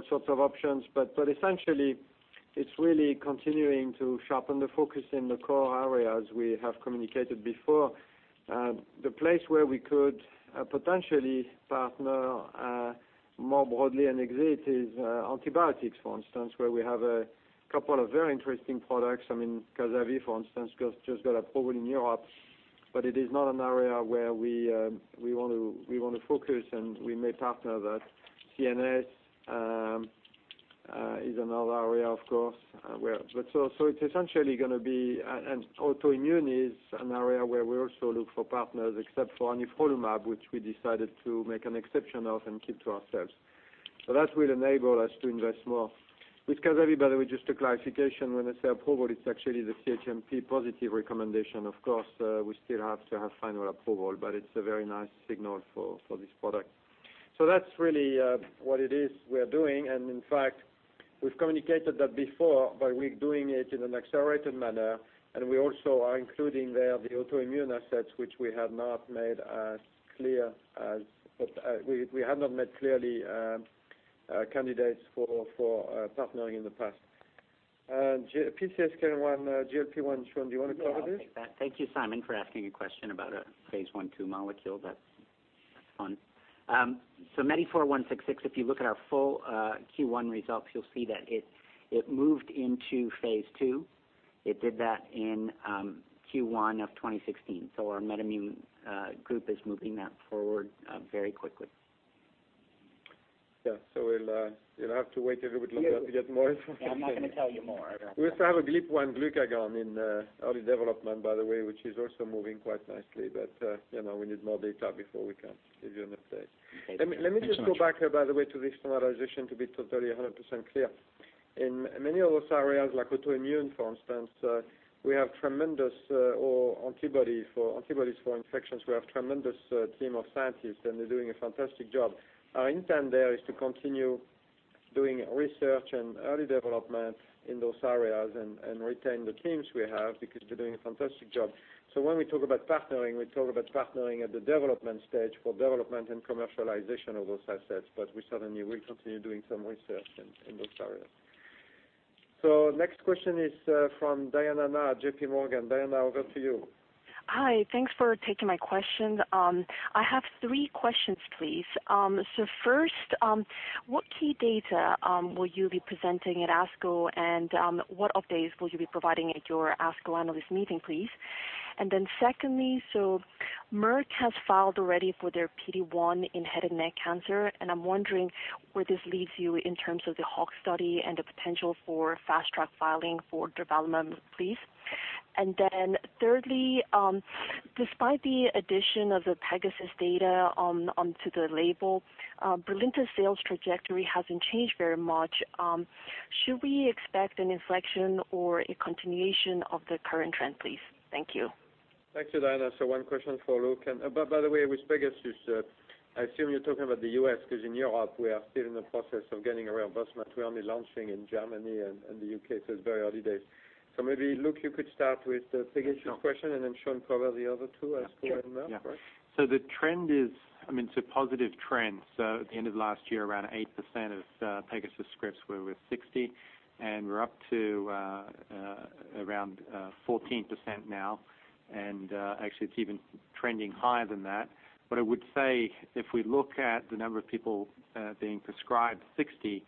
sorts of options, but essentially, it's really continuing to sharpen the focus in the core areas we have communicated before. The place where we could potentially partner more broadly and exit is antibiotics, for instance, where we have a couple of very interesting products. I mean, Zavicefta, for instance, just got approved in Europe, but it is not an area where we want to focus, and we may partner that. CNS is another area, of course. It's essentially going to be. Autoimmune is an area where we also look for partners, except for anifrolumab, which we decided to make an exception of and keep to ourselves. That will enable us to invest more. With Zavicefta, by the way, just a clarification. When I say approval, it's actually the CHMP positive recommendation. Of course, we still have to have final approval, but it's a very nice signal for this product. That's really what it is we're doing. In fact, we've communicated that before, but we're doing it in an accelerated manner. We also are including there the autoimmune assets, which we have not made clearly candidates for partnering in the past. PCSK9/GLP-1, Sean, do you want to cover this? Yeah, I'll take that. Thank you, Simon, for asking a question about a phase I, II molecule. That's fun. MEDI4166, if you look at our full Q1 results, you'll see that it moved into phase II. It did that in Q1 of 2016. Our MedImmune group is moving that forward very quickly. Yeah. You'll have to wait a little bit longer to get more information. Yeah, I'm not going to tell you more. We also have a GLP-1 glucagon in early development, by the way, which is also moving quite nicely. We need more data before we can give you an update. Thank you so much. Let me just go back, by the way, to the standardization to be totally 100% clear. In many of those areas, like autoimmune, for instance, or antibodies for infections, we have a tremendous team of scientists, and they're doing a fantastic job. Our intent there is to continue Doing research and early development in those areas and retain the teams we have because they're doing a fantastic job. When we talk about partnering, we talk about partnering at the development stage for development and commercialization of those assets, but we certainly will continue doing some research in those areas. Next question is from Diana Na at JPMorgan. Diana, over to you. Hi. Thanks for taking my question. I have three questions, please. First, what key data will you be presenting at ASCO, and what updates will you be providing at your ASCO analyst meeting, please? Secondly, Merck has filed already for their PD-1 in head and neck cancer, and I'm wondering where this leaves you in terms of the HAWK study and the potential for fast-track filing for development, please. Thirdly, despite the addition of the PEGASUS data onto the label, BRILINTA sales trajectory hasn't changed very much. Should we expect an inflection or a continuation of the current trend, please? Thank you. Thanks, Diana. One question for Luke. By the way, with PEGASUS, I assume you're talking about the U.S. because in Europe we are still in the process of getting a reimbursement. We're only launching in Germany and the U.K., it's very early days. Maybe Luke, you could start with the PEGASUS question, and then Sean cover the other two as we go now. Sure. Yeah. The trend is, it's a positive trend. At the end of last year, around 8% of PEGASUS scripts were with 60, and we're up to around 14% now. Actually, it's even trending higher than that. I would say if we look at the number of people being prescribed 60,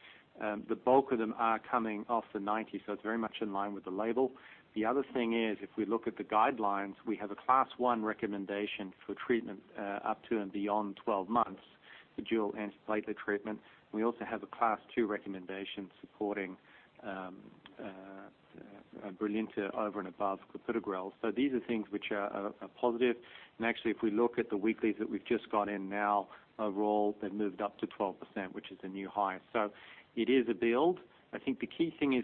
the bulk of them are coming off the 90, it's very much in line with the label. The other thing is if we look at the guidelines, we have a class 1 recommendation for treatment up to and beyond 12 months for dual antiplatelet treatment. We also have a class 2 recommendation supporting BRILINTA over and above clopidogrel. These are things which are positive. Actually, if we look at the weeklies that we've just got in now, overall they've moved up to 12%, which is a new high. It is a build. I think the key thing is,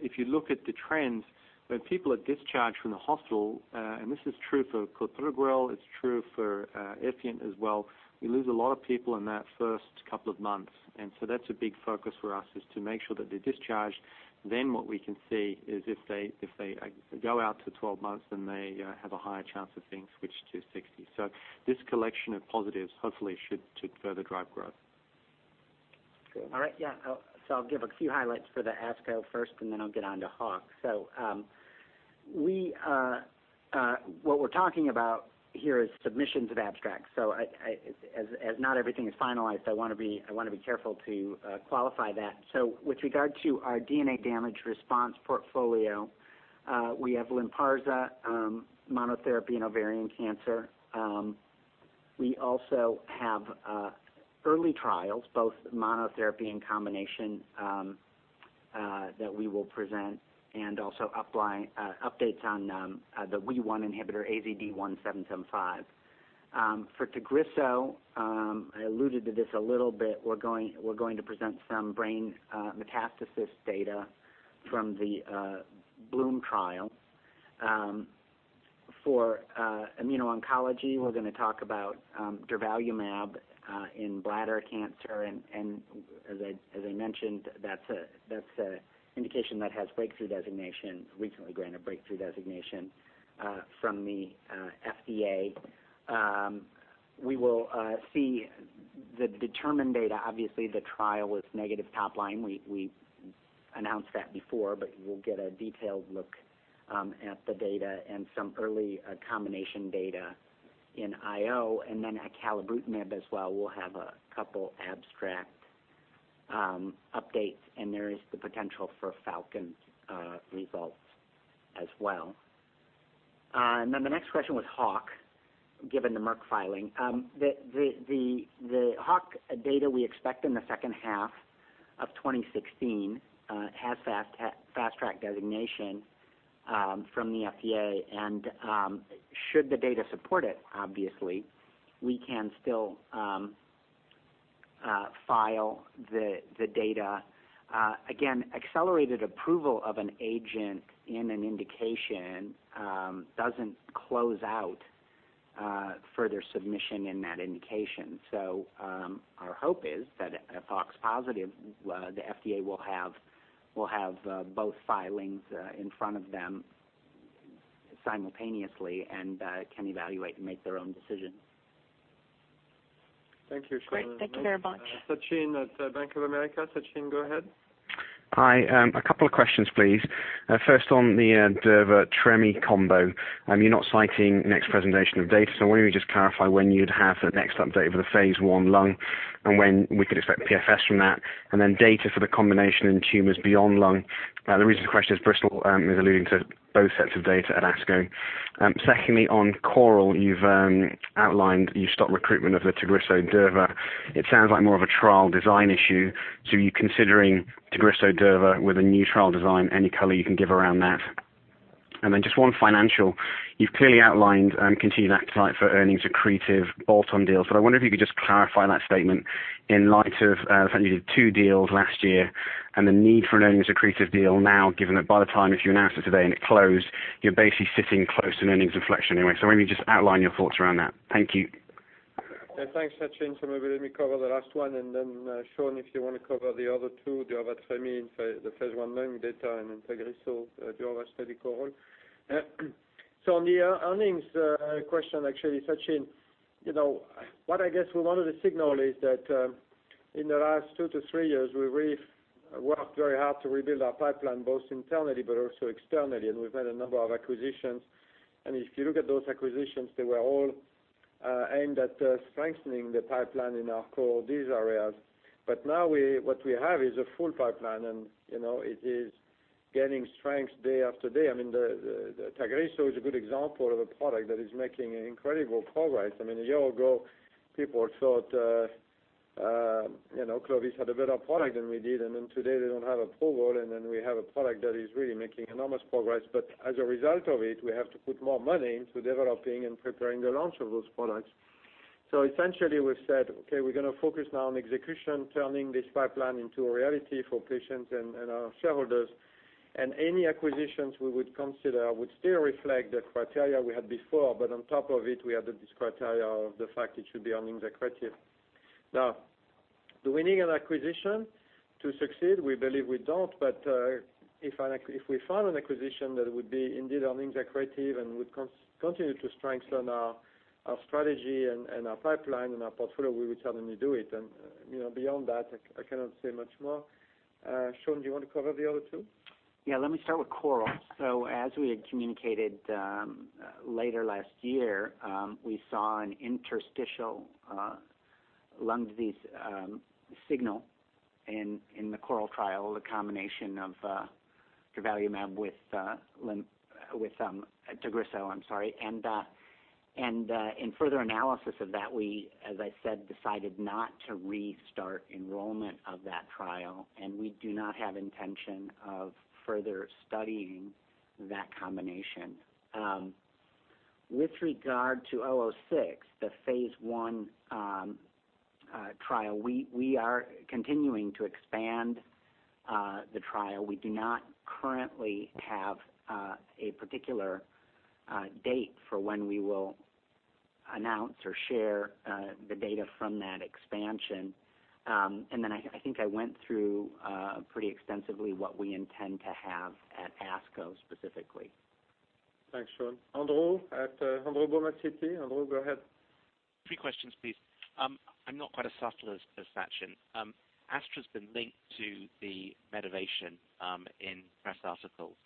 if you look at the trends, when people are discharged from the hospital, and this is true for clopidogrel, it's true for Effient as well, we lose a lot of people in that first couple of months. That's a big focus for us, is to make sure that they're discharged. What we can see is if they go out to 12 months, then they have a higher chance of being switched to 60. This collection of positives hopefully should further drive growth. All right. Yeah. I'll give a few highlights for the ASCO first, I'll get onto HAWK. What we're talking about here is submissions of abstracts. As not everything is finalized, I want to be careful to qualify that. With regard to our DNA damage response portfolio, we have Lynparza monotherapy in ovarian cancer. We also have early trials, both monotherapy and combination, that we will present, and also updates on the WEE1 inhibitor AZD1775. For Tagrisso, I alluded to this a little bit. We're going to present some brain metastasis data from the BLOOM trial. For immuno-oncology, we're going to talk about durvalumab in bladder cancer, and as I mentioned, that's an indication that has recently granted breakthrough designation from the FDA. We will see the DETERMINE data. Obviously, the trial was negative top line. We announced that before, we'll get a detailed look at the data and some early combination data in IO. acalabrutinib as well. We'll have a couple abstract updates, and there is the potential for FALCON results as well. The next question was HAWK, given the Merck filing. The HAWK data we expect in the second half of 2016 has fast-track designation from the FDA. Should the data support it, obviously, we can still file the data. Again, accelerated approval of an agent in an indication doesn't close out further submission in that indication. Our hope is that if HAWK's positive, the FDA will have both filings in front of them simultaneously and can evaluate and make their own decision. Thank you, Sean. Great. Thank you very much. Sachin at Bank of America. Sachin, go ahead. Hi. A couple of questions, please. First on the durva/tremi combo. You're not citing next presentation of data. Why don't we just clarify when you'd have the next update for the phase I lung and when we could expect PFS from that, and then data for the combination in tumors beyond lung? The reason for the question is Bristol is alluding to both sets of data at ASCO. On CORAL, you've outlined you've stopped recruitment of the Tagrisso/durva. It sounds like more of a trial design issue. Are you considering Tagrisso/durva with a new trial design? Any color you can give around that? Just one financial. You've clearly outlined continued appetite for earnings accretive bolt-on deals. I wonder if you could just clarify that statement in light of the fact you did two deals last year and the need for an earnings accretive deal now, given that by the time if you announce it today and it closed, you're basically sitting close to earnings inflection anyway. Maybe just outline your thoughts around that. Thank you. Thanks, Sachin. Maybe let me cover the last one, then Sean, if you want to cover the other two, durvalumab the phase I lung data and Tagrisso, durvalumab clinical hold. On the earnings question, actually, Sachin, what I guess we wanted to signal is that in the last two to three years, we've worked very hard to rebuild our pipeline, both internally but also externally, and we've had a number of acquisitions. If you look at those acquisitions, they were all aimed at strengthening the pipeline in our core disease areas. Now what we have is a full pipeline and it is gaining strength day after day. Tagrisso is a good example of a product that is making incredible progress. A year ago, people thought Clovis had a better product than we did, today they don't have approval and we have a product that is really making enormous progress. As a result of it, we have to put more money into developing and preparing the launch of those products. Essentially we've said, okay, we're going to focus now on execution, turning this pipeline into a reality for patients and our shareholders. Any acquisitions we would consider would still reflect the criteria we had before, but on top of it, we have this criteria of the fact it should be earnings accretive. Now, do we need an acquisition to succeed? We believe we don't, but if we find an acquisition that would be indeed earnings accretive and would continue to strengthen our strategy and our pipeline and our portfolio, we would certainly do it. Beyond that, I cannot say much more. Sean, do you want to cover the other two? Let me start with CORAL. As we had communicated later last year, we saw an interstitial lung disease signal in the CORAL trial, the combination of durvalumab with Tagrisso, I'm sorry. In further analysis of that, we, as I said, decided not to restart enrollment of that trial, and we do not have intention of further studying that combination. With regard to 006, the phase I trial, we are continuing to expand the trial. We do not currently have a particular date for when we will announce or share the data from that expansion. I think I went through pretty extensively what we intend to have at ASCO specifically. Thanks, Sean. Andrew Baum, Citi. Andrew, go ahead. Three questions, please. I'm not quite as subtle as Sachin. Astra's been linked to Medivation in press articles.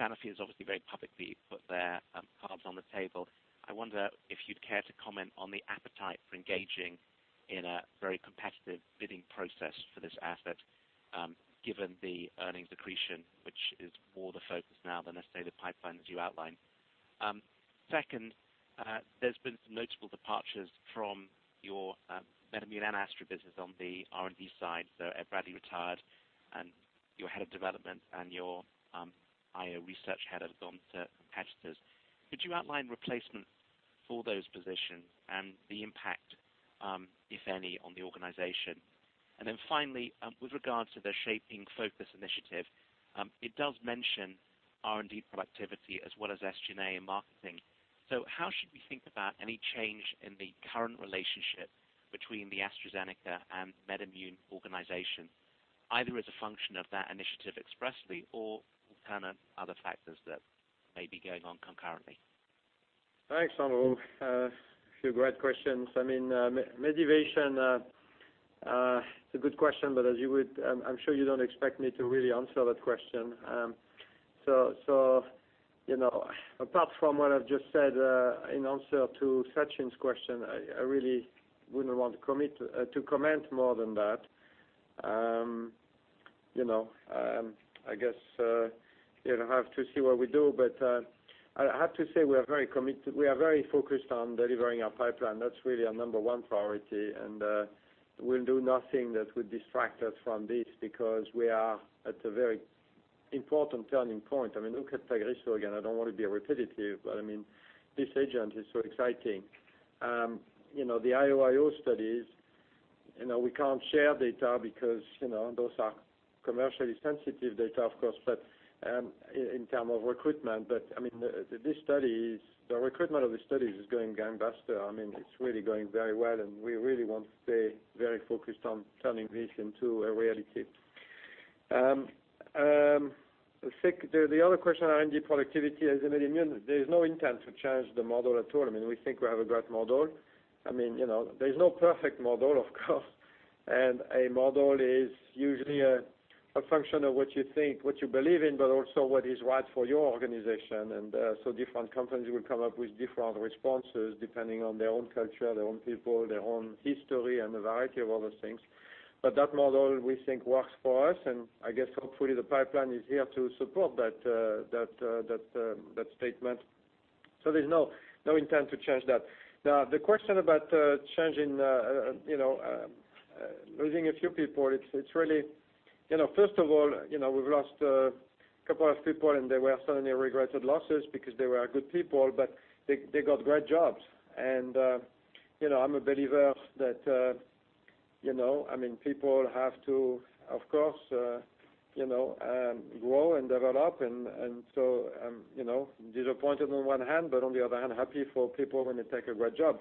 Sanofi has obviously very publicly put their cards on the table. I wonder if you'd care to comment on the appetite for engaging in a very competitive bidding process for this asset, given the earnings accretion, which is more the focus now than, let's say, the pipeline as you outlined. Second, there's been some notable departures from your MedImmune and Astra business on the R&D side. Ed Bradley retired and your head of development and your IO research head have gone to competitors. Could you outline replacements for those positions and the impact, if any, on the organization? Then finally, with regards to the Shaping Focus initiative, it does mention R&D productivity as well as SG&A and marketing. How should we think about any change in the current relationship between the AstraZeneca and MedImmune organization, either as a function of that initiative expressly or what kind of other factors that may be going on concurrently? Thanks, Andrew. A few great questions. Medivation, it's a good question, but I'm sure you don't expect me to really answer that question. Apart from what I've just said in answer to Sachin's question, I really wouldn't want to comment more than that. I guess you'll have to see what we do. I have to say, we are very focused on delivering our pipeline. That's really our number one priority, and we'll do nothing that would distract us from this because we are at a very important turning point. Look at Tagrisso again, I don't want to be repetitive, but this agent is so exciting. The IO studies, we can't share data because those are commercially sensitive data, of course, in term of recruitment. The recruitment of this study is going gangbusters. It's really going very well, we really want to stay very focused on turning this into a reality. The other question, R&D productivity at MedImmune. There's no intent to change the model at all. We think we have a great model. There's no perfect model, of course, and a model is usually a function of what you think, what you believe in, but also what is right for your organization. Different companies will come up with different responses depending on their own culture, their own people, their own history, and a variety of other things. That model, we think, works for us, and I guess hopefully the pipeline is here to support that statement. There's no intent to change that. Now, the question about losing a few people. First of all, we've lost a couple of people, They were certainly regretted losses because they were good people, but they got great jobs. I'm a believer that I mean, people have to, of course, grow and develop. I'm disappointed on one hand, but on the other hand, happy for people when they take a great job.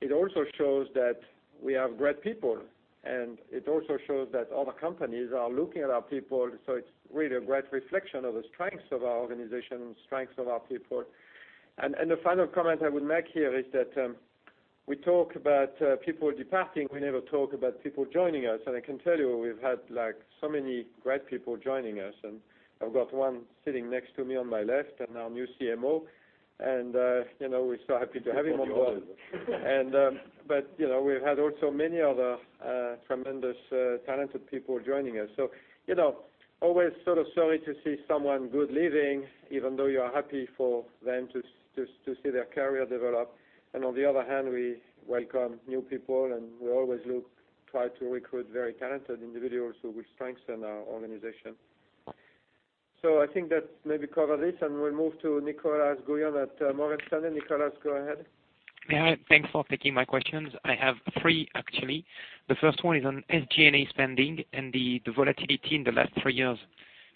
It also shows that we have great people, and it also shows that other companies are looking at our people. It's really a great reflection of the strengths of our organization, strengths of our people. The final comment I would make here is that we talk about people departing. We never talk about people joining us. I can tell you, we've had so many great people joining us, I've got one sitting next to me on my left Our new CMO, We're so happy to have him on board. We've had also many other tremendous talented people joining us. Always sort of sorry to see someone good leaving, even though you are happy for them to see their career develop. On the other hand, we welcome new people, We always look, try to recruit very talented individuals who will strengthen our organization. I think that maybe cover this, we'll move to Nicolas Gouyon at Morgan Stanley. Nicolas, go ahead. Yeah. Thanks for taking my questions. I have three, actually. The first one is on SG&A spending and the volatility in the last three years.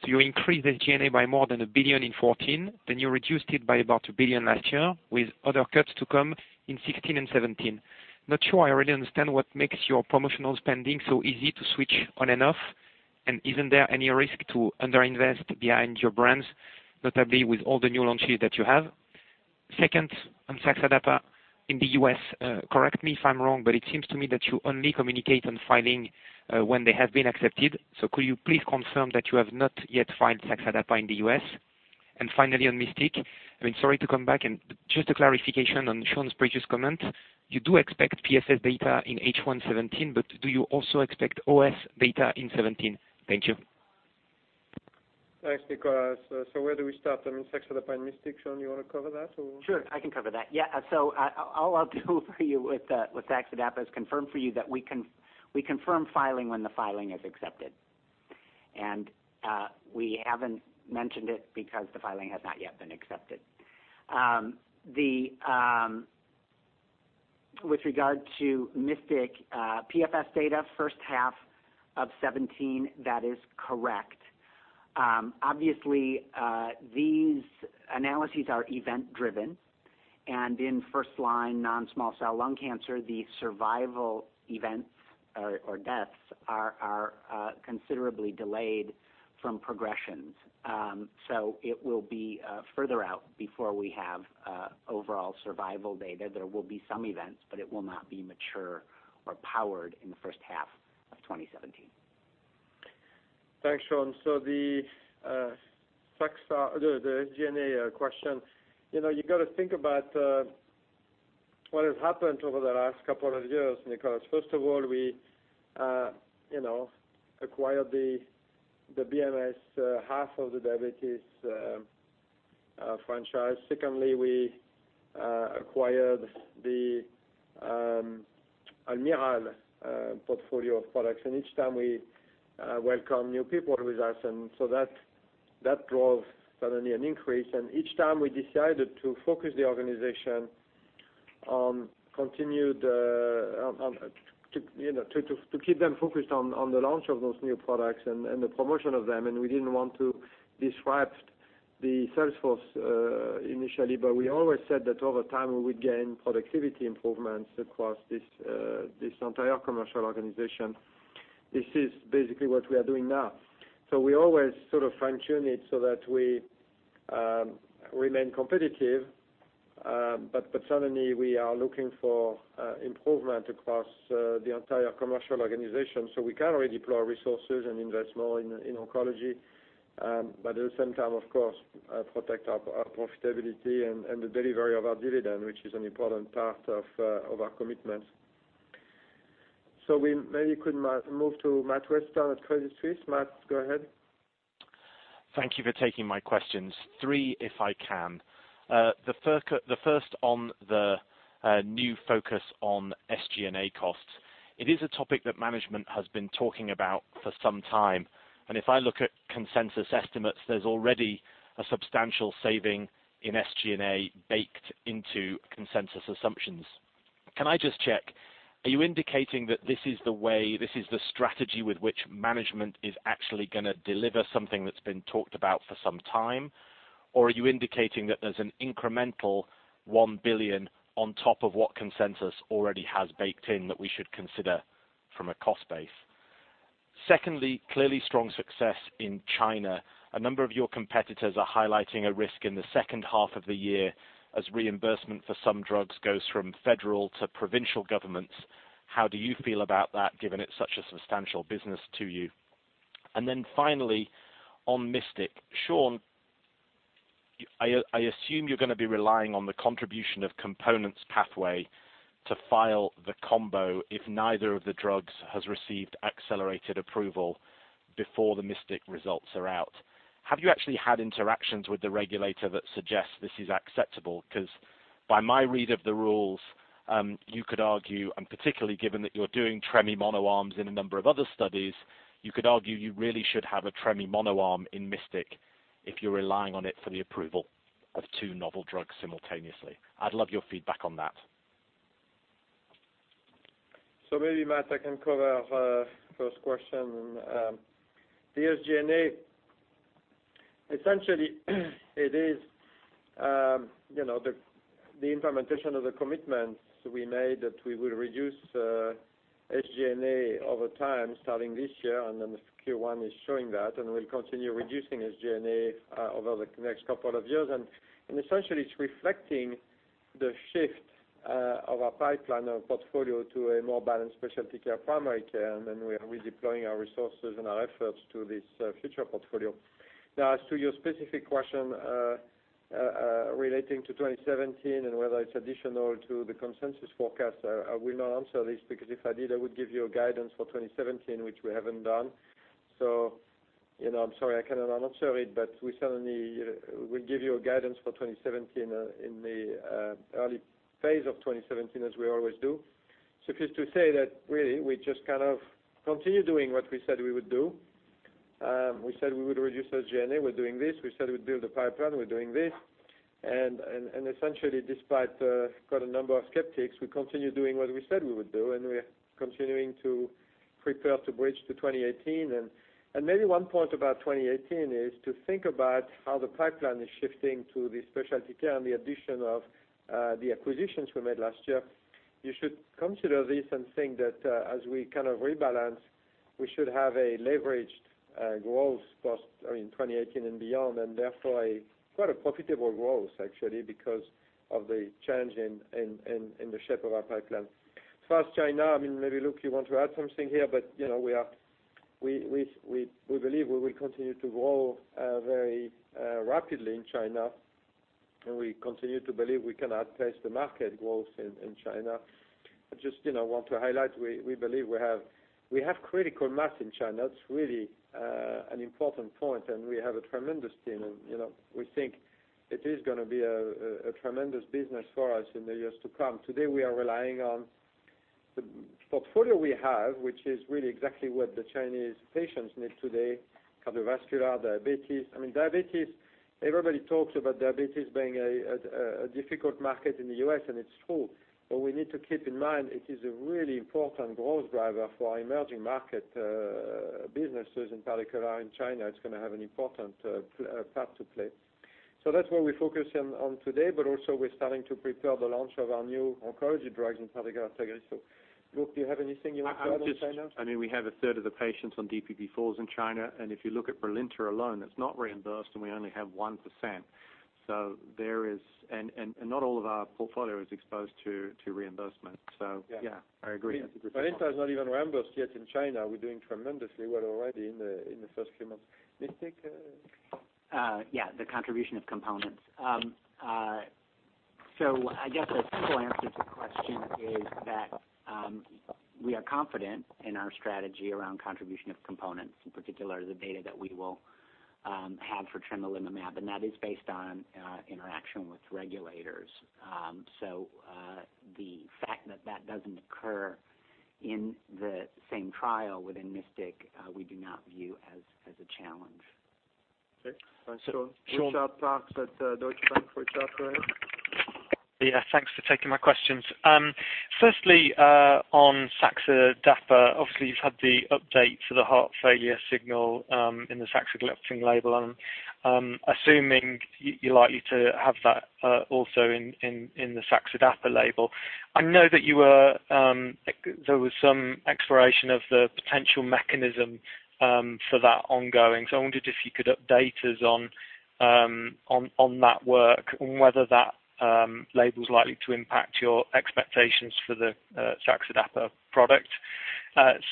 You increased SG&A by more than $1 billion in 2014, you reduced it by about $1 billion last year, with other cuts to come in 2016 and 2017. Not sure I really understand what makes your promotional spending so easy to switch on and off. Isn't there any risk to under-invest behind your brands, notably with all the new launches that you have? Second, on Saxenda in the U.S., correct me if I'm wrong, but it seems to me that you only communicate on filing when they have been accepted. Could you please confirm that you have not yet filed Saxenda in the U.S.? I mean, sorry to come back, and just a clarification on Sean's previous comment. You do expect PFS data in H1 2017, but do you also expect OS data in 2017? Thank you. Thanks, Nicolas. Where do we start on saxenda and MYSTIC? Sean, you want to cover that or? Sure. I can cover that. Yeah. All I'll do for you with saxenda is confirm for you that we confirm filing when the filing is accepted. We haven't mentioned it because the filing has not yet been accepted. With regard to MYSTIC PFS data, first half of 2017, that is correct. Obviously, these analyses are event driven, and in first-line non-small cell lung cancer, the survival events or deaths are considerably delayed from progressions. It will be further out before we have overall survival data. There will be some events, but it will not be mature or powered in the first half of 2017. Thanks, Sean. The SG&A question. You've got to think about what has happened over the last couple of years, Nicolas. First of all, we acquired the BMS half of the diabetes franchise. Secondly, we acquired the Almirall portfolio of products, each time we welcome new people with us, that draws suddenly an increase. Each time we decided to keep them focused on the launch of those new products and the promotion of them, we didn't want to disrupt the sales force initially, but we always said that over time, we would gain productivity improvements across this entire commercial organization. This is basically what we are doing now. We always sort of fine-tune it so that we remain competitive. We are looking for improvement across the entire commercial organization, we can redeploy resources and invest more in oncology. At the same time, of course, protect our profitability and the delivery of our dividend, which is an important part of our commitment. We maybe could move to Matt Weston at Credit Suisse. Matt, go ahead. Thank you for taking my questions. Three, if I can. The first on the new focus on SG&A costs. It is a topic that management has been talking about for some time, if I look at consensus estimates, there's already a substantial saving in SG&A baked into consensus assumptions. Can I just check, are you indicating that this is the way, this is the strategy with which management is actually going to deliver something that's been talked about for some time? Are you indicating that there's an incremental 1 billion on top of what consensus already has baked in that we should consider from a cost base? Clearly strong success in China. A number of your competitors are highlighting a risk in the second half of the year as reimbursement for some drugs goes from federal to provincial governments. How do you feel about that, given it's such a substantial business to you? Finally on MYSTIC, Sean, I assume you're going to be relying on the contribution of components pathway to file the combo if neither of the drugs has received accelerated approval before the MYSTIC results are out. Have you actually had interactions with the regulator that suggests this is acceptable? Because by my read of the rules, you could argue, particularly given that you're doing tremelimumab mono arms in a number of other studies, you could argue you really should have a tremelimumab mono arm in MYSTIC if you're relying on it for the approval. Of two novel drugs simultaneously. I'd love your feedback on that. Matt, I can cover the first question. The SG&A, essentially, it's the implementation of the commitments we made that we will reduce SG&A over time starting this year, Q1 is showing that, and we'll continue reducing SG&A over the next couple of years. Essentially, it's reflecting the shift of our pipeline, our portfolio to a more balanced specialty care, primary care, and we're redeploying our resources and our efforts to this future portfolio. Now, as to your specific question relating to 2017 and whether it's additional to the consensus forecast, I will not answer this, because if I did, I would give you a guidance for 2017, which we haven't done. I'm sorry I cannot answer it, but we certainly will give you a guidance for 2017 in the early phase of 2017, as we always do. Suffice to say that really, we just kind of continue doing what we said we would do. We said we would reduce SG&A, we're doing this. We said we'd build a pipeline, we're doing this. Essentially, despite quite a number of skeptics, we continue doing what we said we would do, and we're continuing to prepare to bridge to 2018. Maybe one point about 2018 is to think about how the pipeline is shifting to the specialty care and the addition of the acquisitions we made last year. You should consider this and think that as we rebalance, we should have a leveraged growth post in 2018 and beyond, and therefore, quite a profitable growth actually, because of the change in the shape of our pipeline. As far as China, maybe Luke, you want to add something here, we believe we will continue to grow very rapidly in China, and we continue to believe we can outpace the market growth in China. I just want to highlight, we believe we have critical mass in China. It's really an important point, and we have a tremendous team, and we think it is going to be a tremendous business for us in the years to come. Today, we are relying on the portfolio we have, which is really exactly what the Chinese patients need today, cardiovascular, diabetes. I mean, everybody talks about diabetes being a difficult market in the U.S., and it's true. We need to keep in mind it is a really important growth driver for our emerging market businesses, in particular in China. It's going to have an important part to play. That's where we're focusing on today, but also we're starting to prepare the launch of our new oncology drugs, in particular Tagrisso. Luke, do you have anything you want to add on China? We have a third of the patients on DPP-4s in China, if you look at BRILINTA alone, it's not reimbursed and we only have 1%. Not all of our portfolio is exposed to reimbursement. Yeah, I agree. BRILINTA is not even reimbursed yet in China. We're doing tremendously well already in the first few months. MYSTIC? Yeah, the contribution of components. I guess the simple answer to the question is that we are confident in our strategy around contribution of components, in particular the data that we will have for tremelimumab, and that is based on interaction with regulators. The fact that that doesn't occur in the same trial within MYSTIC, we do not view as a challenge. Okay. Thanks. Richard Parkes at Deutsche Bank for a short query. Thanks for taking my questions. Firstly, on saxa/dapa, obviously you've had the update for the heart failure signal in the saxagliptin label. I am assuming you are likely to have that also in the saxa/dapa label. I know that there was some exploration of the potential mechanism for that ongoing. I wondered if you could update us on that work and whether that label is likely to impact your expectations for the saxa/dapa product.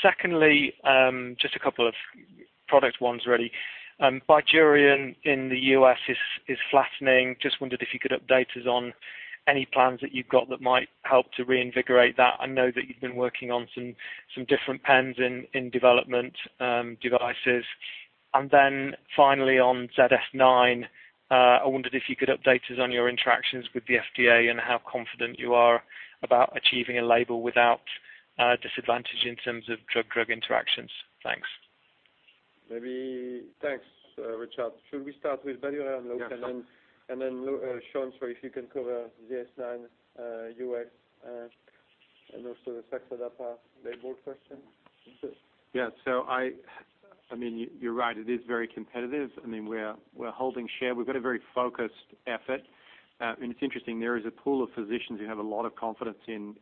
Secondly, just a couple of product ones really. Bydureon in the U.S. is flattening. Just wondered if you could update us on any plans that you have that might help to reinvigorate that. I know that you have been working on some different pens in development devices. Finally on ZS-9, I wondered if you could update us on your interactions with the FDA and how confident you are about achieving a label without disadvantage in terms of drug-drug interactions. Thanks. Thanks, Richard. Should we start with BYDUREON, Luke, and then Sean, if you can cover ZS-9, U.S., and also the saxa/dapa label question? Yeah. You are right, it is very competitive. We are holding share. We have got a very focused effort. It is interesting, there is a pool of physicians who have a lot of confidence in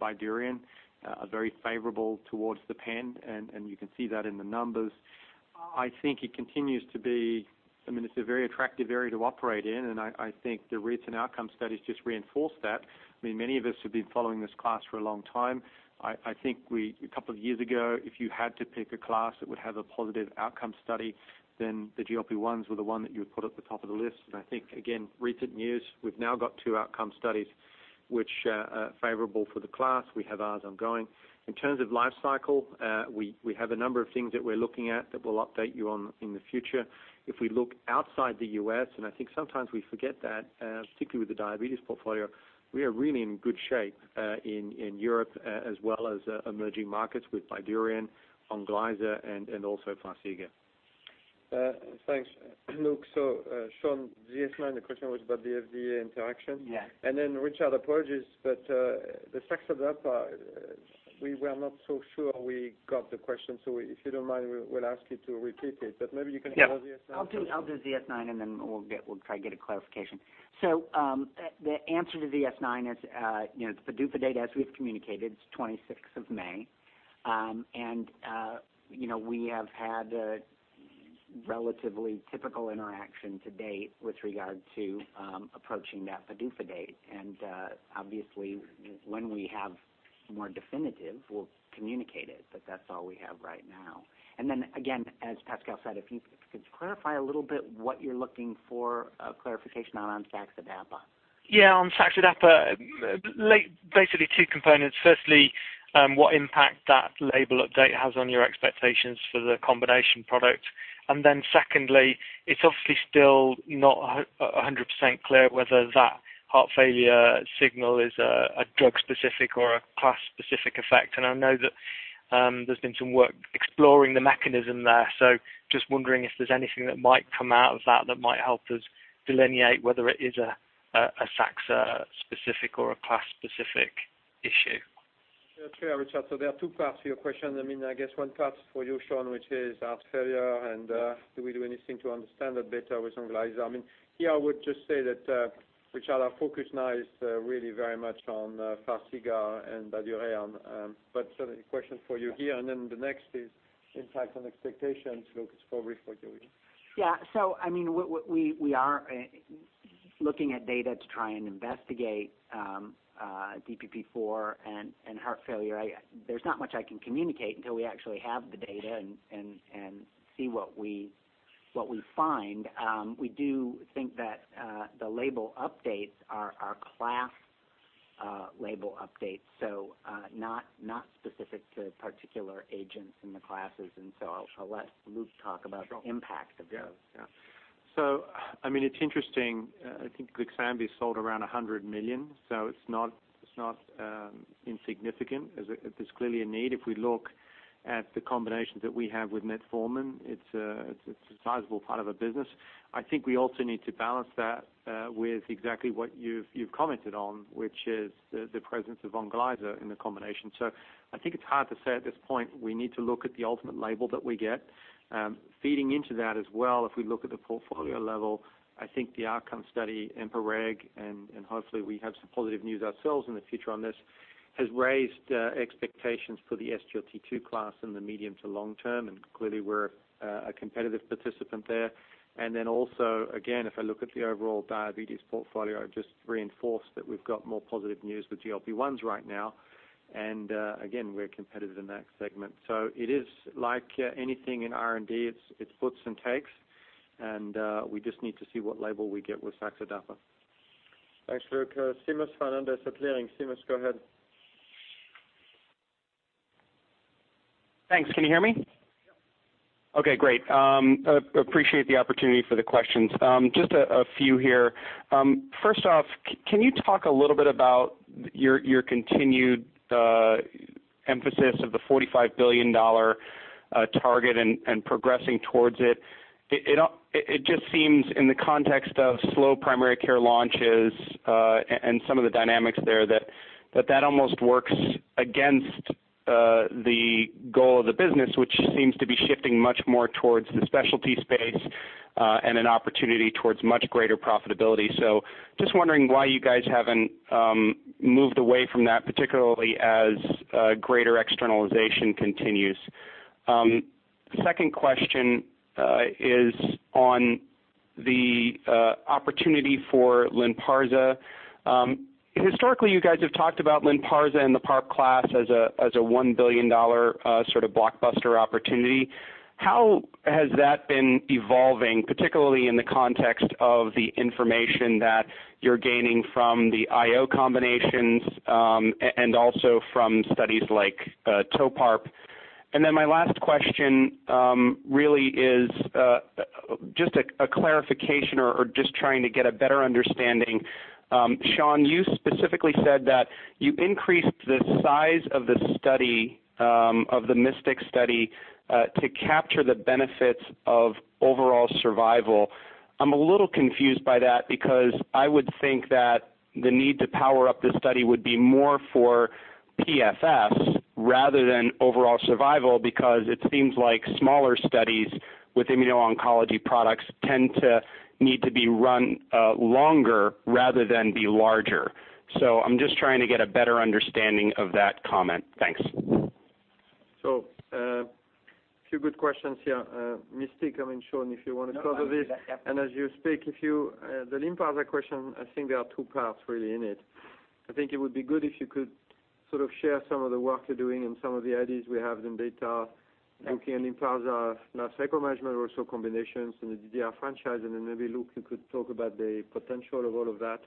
BYDUREON, are very favorable towards the pen, and you can see that in the numbers. It is a very attractive area to operate in, and I think the recent outcome studies just reinforce that. Many of us who have been following this class for a long time, I think a couple of years ago, if you had to pick a class that would have a positive outcome study, then the GLP-1s were the one that you would put at the top of the list. I think, again, recent news, we have now got two outcome studies which are favorable for the class. We have ours ongoing. In terms of life cycle, we have a number of things that we're looking at that we'll update you on in the future. If we look outside the U.S., and I think sometimes we forget that, particularly with the diabetes portfolio, we are really in good shape in Europe as well as emerging markets with BYDUREON, Onglyza, and also Farxiga. Thanks. Luke. Sean, ZS-9, the question was about the FDA interaction. Yeah. Richard, apologies, but the saxagliptin, we were not so sure we got the question. If you don't mind, we'll ask you to repeat it, but maybe you can go over the. Yeah. I'll do ZS-9, then we'll try to get a clarification. The answer to ZS-9 is, the PDUFA date, as we've communicated, is 26th of May. We have had a relatively typical interaction to date with regard to approaching that PDUFA date. Obviously, when we have more definitive, we'll communicate it, but that's all we have right now. Again, as Pascal said, if you could clarify a little bit what you're looking for a clarification on saxagliptin. Yeah. On saxagliptin, basically two components. Firstly, what impact that label update has on your expectations for the combination product. Secondly, it's obviously still not 100% clear whether that heart failure signal is a drug-specific or a class-specific effect. I know that there's been some work exploring the mechanism there, so just wondering if there's anything that might come out of that might help us delineate whether it is a saxagliptin-specific or a class-specific issue. Sure. Richard, there are two parts to your question. I guess one part is for you, Sean, which is heart failure and do we do anything to understand that better with Onglyza. Here I would just say that, Richard, our focus now is really very much on Farxiga and INVOKANA. Certainly question for you here, the next is impact on expectations, Luke, it's probably for you. Yeah. We are looking at data to try and investigate DPP-4 and heart failure. There's not much I can communicate until we actually have the data and see what we find. We do think that the label updates are class label updates, so not specific to particular agents in the classes. I'll let Luke talk about the impact of those. Yeah. It's interesting, I think KOMBIGLYZE XR sold around $100 million, so it's not insignificant. There's clearly a need. If we look at the combinations that we have with metformin, it's a sizable part of our business. I think we also need to balance that with exactly what you've commented on, which is the presence of Onglyza in the combination. I think it's hard to say at this point. We need to look at the ultimate label that we get. Feeding into that as well, if we look at the portfolio level, I think the outcome study, EMPA-REG, and hopefully we have some positive news ourselves in the future on this, has raised expectations for the SGLT2 class in the medium to long term, clearly we're a competitive participant there. If I look at the overall diabetes portfolio, I've just reinforced that we've got more positive news with GLP-1s right now. We're competitive in that segment. It is like anything in R&D, it's gives and takes, and we just need to see what label we get with saxagliptin. Thanks, Luke. Seamus Fernandez at Leerink. Seamus, go ahead. Thanks. Can you hear me? Yeah. Okay, great. Appreciate the opportunity for the questions. Just a few here. First off, can you talk a little bit about your continued emphasis of the $45 billion target and progressing towards it? It just seems, in the context of slow primary care launches, and some of the dynamics there, that that almost works against the goal of the business, which seems to be shifting much more towards the specialty space, and an opportunity towards much greater profitability. Just wondering why you guys haven't moved away from that, particularly as greater externalization continues. Second question is on the opportunity for LYNPARZA. Historically, you guys have talked about LYNPARZA and the PARP class as a $1 billion sort of blockbuster opportunity. How has that been evolving, particularly in the context of the information that you're gaining from the IO combinations, and also from studies like TOPARP? my last question really is just a clarification or just trying to get a better understanding. Sean, you specifically said that you increased the size of the MYSTIC study to capture the benefits of overall survival. I'm a little confused by that because I would think that the need to power up the study would be more for PFS rather than overall survival, because it seems like smaller studies with immuno-oncology products tend to need to be run longer rather than be larger. I'm just trying to get a better understanding of that comment. Thanks. few good questions here. MYSTIC, Sean, if you want to cover this. Sure. Yeah. as you speak, if you The LYNPARZA question, I think there are two parts really in it. I think it would be good if you could sort of share some of the work you're doing and some of the ideas we have in. Thank you looking at LYNPARZA pharmacomanagement, also combinations in the DDR franchise. Maybe Luke, you could talk about the potential of all of that,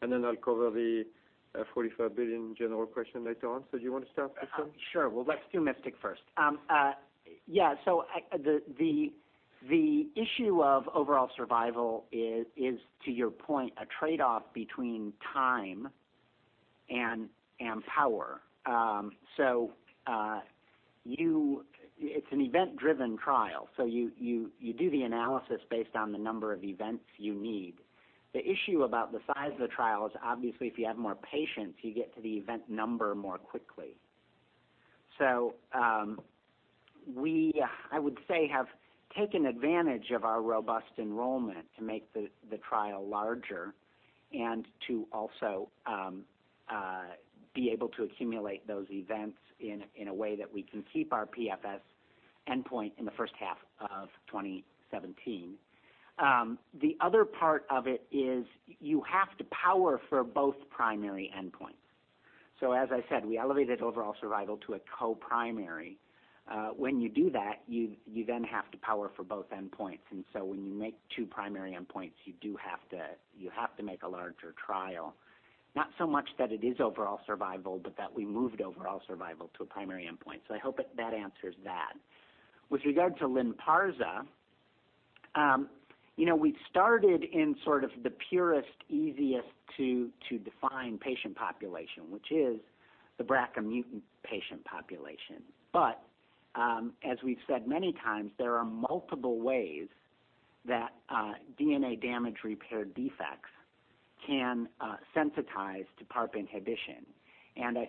then I'll cover the $45 billion general question later on. Do you want to start, Sean? Sure. Let's do MYSTIC first. The issue of overall survival is, to your point, a trade-off between time and power. It's an event-driven trial, so you do the analysis based on the number of events you need. The issue about the size of the trial is obviously if you have more patients, you get to the event number more quickly. We, I would say, have taken advantage of our robust enrollment to make the trial larger and to also be able to accumulate those events in a way that we can keep our PFS endpoint in the first half of 2017. The other part of it is you have to power for both primary endpoints. As I said, we elevated overall survival to a co-primary. When you do that, you then have to power for both endpoints. When you make two primary endpoints, you have to make a larger trial. Not so much that it is overall survival, but that we moved overall survival to a primary endpoint. I hope that answers that. With regard to LYNPARZA, we started in sort of the purest, easiest to define patient population, which is the BRCA mutant patient population. As we've said many times, there are multiple ways that DNA damage repair defects can sensitize to PARP inhibition. I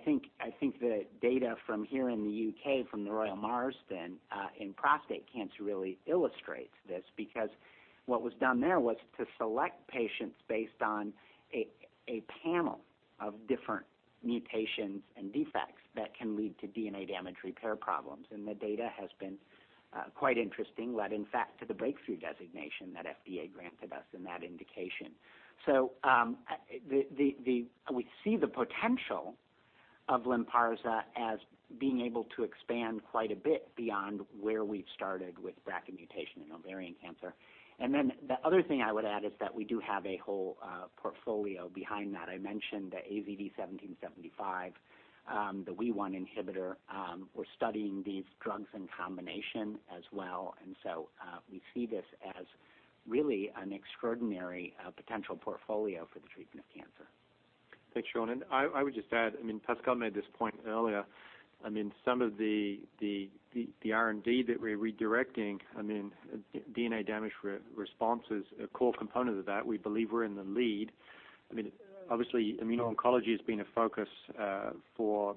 think the data from here in the U.K. from the Royal Marsden, in prostate cancer really illustrates this because what was done there was to select patients based on a panel of different mutations and defects that can lead to DNA damage repair problems, the data has been quite interesting, led in fact to the breakthrough designation that FDA granted us in that indication. We see the potential of LYNPARZA as being able to expand quite a bit beyond where we've started with BRCA mutation in ovarian cancer. The other thing I would add is that we do have a whole portfolio behind that. I mentioned the AZD1775, the WEE1 inhibitor. We're studying these drugs in combination as well, we see this as really an extraordinary potential portfolio for the treatment of cancer. Thanks, Sean. I would just add, Pascal made this point earlier. Some of the R&D that we're redirecting, DNA damage response is a core component of that. We believe we're in the lead. Obviously, immuno-oncology has been a focus for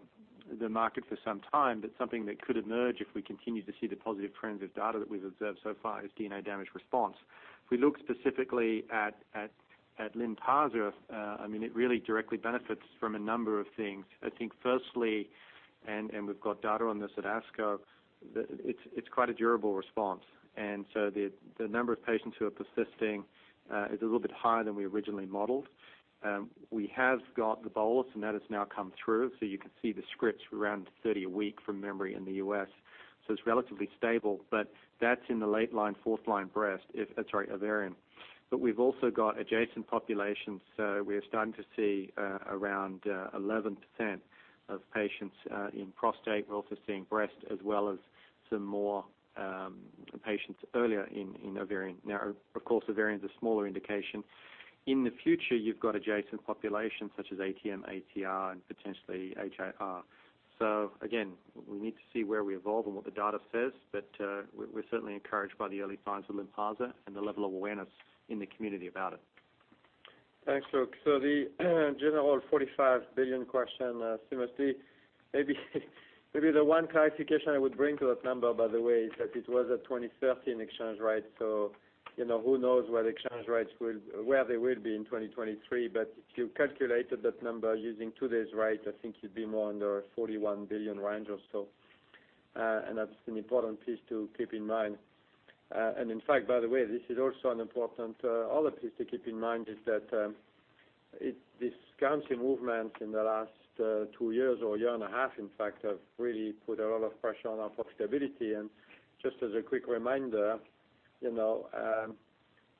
the market for some time, but something that could emerge if we continue to see the positive trends of data that we've observed so far is DNA damage response. If we look specifically at LYNPARZA, it really directly benefits from a number of things. I think firstly, we've got data on this at ASCO, it's quite a durable response. The number of patients who are persisting is a little bit higher than we originally modeled. We have got the bolus, that has now come through, you can see the scripts around 30 a week from memory in the U.S. It's relatively stable, but that's in the late line, fourth line ovarian. We've also got adjacent populations, we are starting to see around 11% of patients in prostate. We're also seeing breast as well as some more patients earlier in ovarian. Of course, ovarian's a smaller indication. In the future, you've got adjacent populations such as ATM, ATR, and potentially HRD. Again, we need to see where we evolve and what the data says, but we're certainly encouraged by the early signs of LYNPARZA and the level of awareness in the community about it. Thanks, Luke. The general $45 billion question, Seamus, maybe the one clarification I would bring to that number, by the way, is that it was a 2013 exchange rate, who knows where the exchange rates will be in 2023. If you calculated that number using today's rate, I think you'd be more under $41 billion range or so. That's an important piece to keep in mind. In fact, by the way, this is also an important other piece to keep in mind, is that this currency movement in the last two years or a year and a half, in fact, have really put a lot of pressure on our profitability. Just as a quick reminder,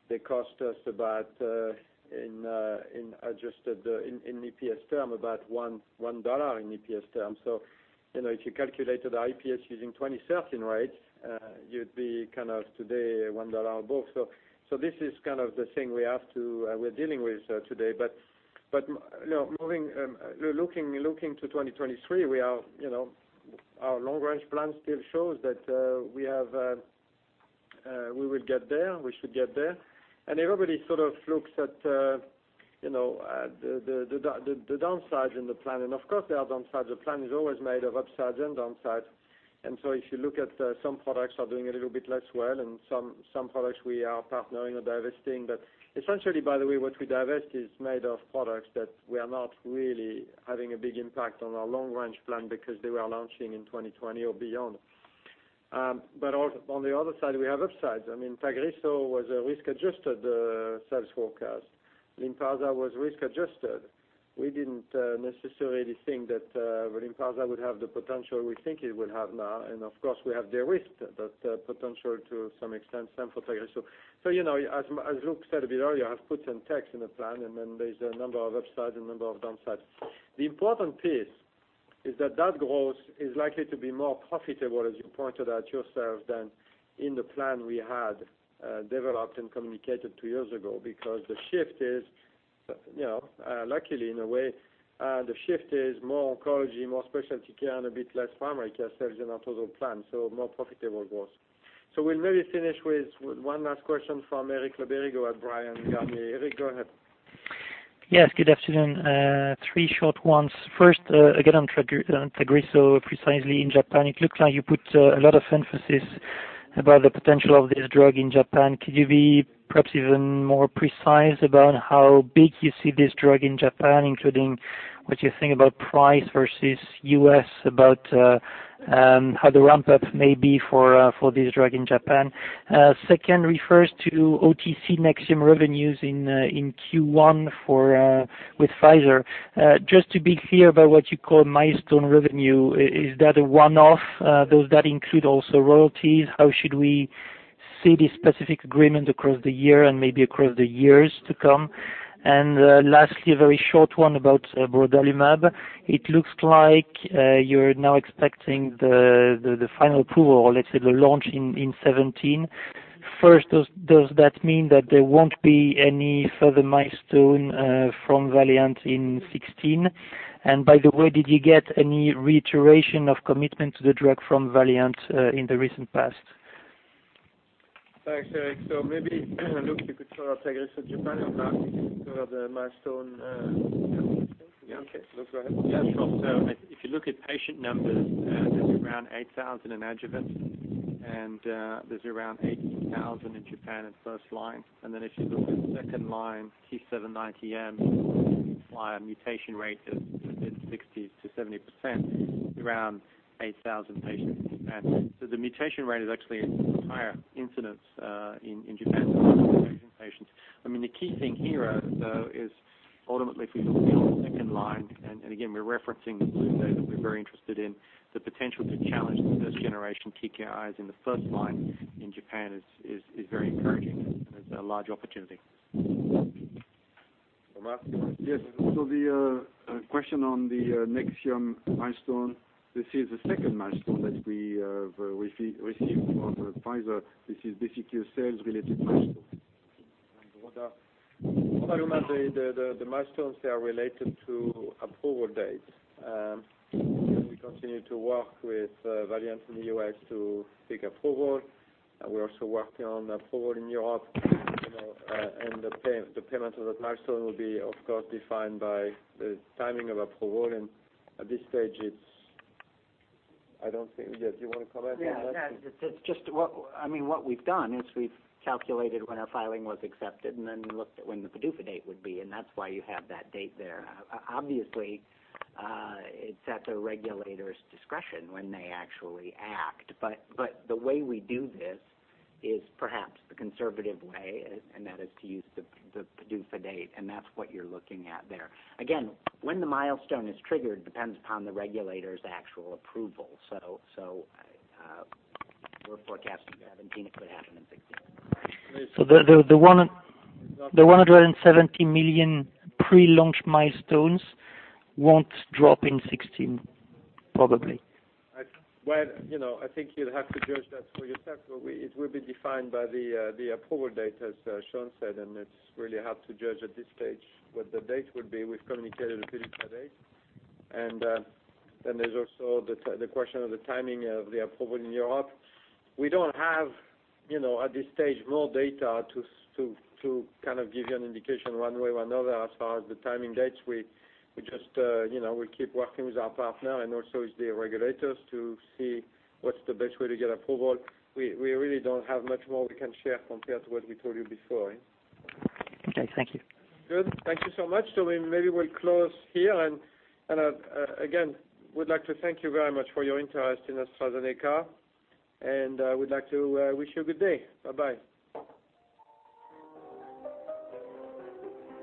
they cost us about, in EPS term, about $1 in EPS terms. If you calculated our EPS using 2013 rates, you'd be kind of today $1 a book. This is kind of the thing we're dealing with today. Looking to 2023, our long-range plan still shows that we will get there, we should get there. Everybody sort of looks at the downside in the plan. Of course, there are downsides. The plan is always made of upsides and downsides. If you look at some products are doing a little bit less well, and some products we are partnering or divesting. Essentially, by the way, what we divest is made of products that were not really having a big impact on our long-range plan because they were launching in 2020 or beyond. On the other side, we have upsides. Tagrisso was a risk-adjusted sales forecast. Lynparza was risk-adjusted. We didn't necessarily think that Lynparza would have the potential we think it will have now. Of course, we have de-risked that potential to some extent for Tagrisso. As Luke said a bit earlier, I've put some text in the plan, and then there's a number of upsides and a number of downsides. The important piece is that growth is likely to be more profitable, as you pointed out yourself, than in the plan we had developed and communicated two years ago. Luckily, in a way, the shift is more oncology, more specialty care, and a bit less primary care sales than our total plan, so more profitable growth. We'll maybe finish with one last question from Eric Le Berrigaud at Bryan, Garnier. Eric, go ahead. Yes, good afternoon. Three short ones. First, again, on Tagrisso, precisely in Japan. It looks like you put a lot of emphasis about the potential of this drug in Japan. Could you be perhaps even more precise about how big you see this drug in Japan, including what you think about price versus US, about how the ramp-up may be for this drug in Japan? Second refers to OTC NEXIUM revenues in Q1 with Pfizer. Just to be clear about what you call milestone revenue, is that a one-off? Does that include also royalties? How should we see this specific agreement across the year and maybe across the years to come? Lastly, a very short one about brodalumab. It looks like you're now expecting the final approval or let's say the launch in 2017. First, does that mean that there won't be any further milestone from Valeant in 2016? By the way, did you get any reiteration of commitment to the drug from Valeant in the recent past? Thanks, Eric. Maybe, Luke, you could talk about Tagrisso Japan, and Marc, you could cover the milestone. Okay. Luke, go ahead. Sure. If you look at patient numbers, there's around 8,000 in adjuvant, and there's around 18,000 in Japan in first-line. If you look at second-line T790M, which is why a mutation rate is mid 60%-70%, around 8,000 patients in Japan. The mutation rate is actually a higher incidence in Japan than in Asian patients. The key thing here, though, is ultimately if we look beyond second-line, and again, we're referencing the data that we're very interested in, the potential to challenge the first-generation TKIs in the first-line in Japan is very encouraging and is a large opportunity. Marc? Yes. The question on the Nexium milestone, this is the second milestone that we have received from Pfizer. This is basically a sales-related milestone. brodalumab, the milestones, they are related to approval dates. We continue to work with Valeant in the U.S. to seek approval. We're also working on approval in Europe, the payment of that milestone will be, of course, defined by the timing of approval. At this stage, do you want to comment on that? I mean, what we've done is we've calculated when our filing was accepted and then looked at when the PDUFA date would be, and that's why you have that date there. Obviously, it's at the regulator's discretion when they actually act. The way we do this is perhaps the conservative way, and that is to use the PDUFA date, and that's what you're looking at there. Again, when the milestone is triggered depends upon the regulator's actual approval. We're forecasting 2017. It could happen in 2016. The $170 million pre-launch milestones won't drop in 2016, probably? Well, I think you'd have to judge that for yourself. It will be defined by the approval date, as Sean said, and it's really hard to judge at this stage what the date would be. We've communicated the PDUFA date. Then there's also the question of the timing of the approval in Europe. We don't have, at this stage, more data to kind of give you an indication one way or another as far as the timing dates. We keep working with our partner and also the regulators to see what's the best way to get approval. We really don't have much more we can share compared to what we told you before. Okay, thank you. Good. Thank you so much. Maybe we'll close here, again, we'd like to thank you very much for your interest in AstraZeneca, we'd like to wish you a good day. Bye-bye.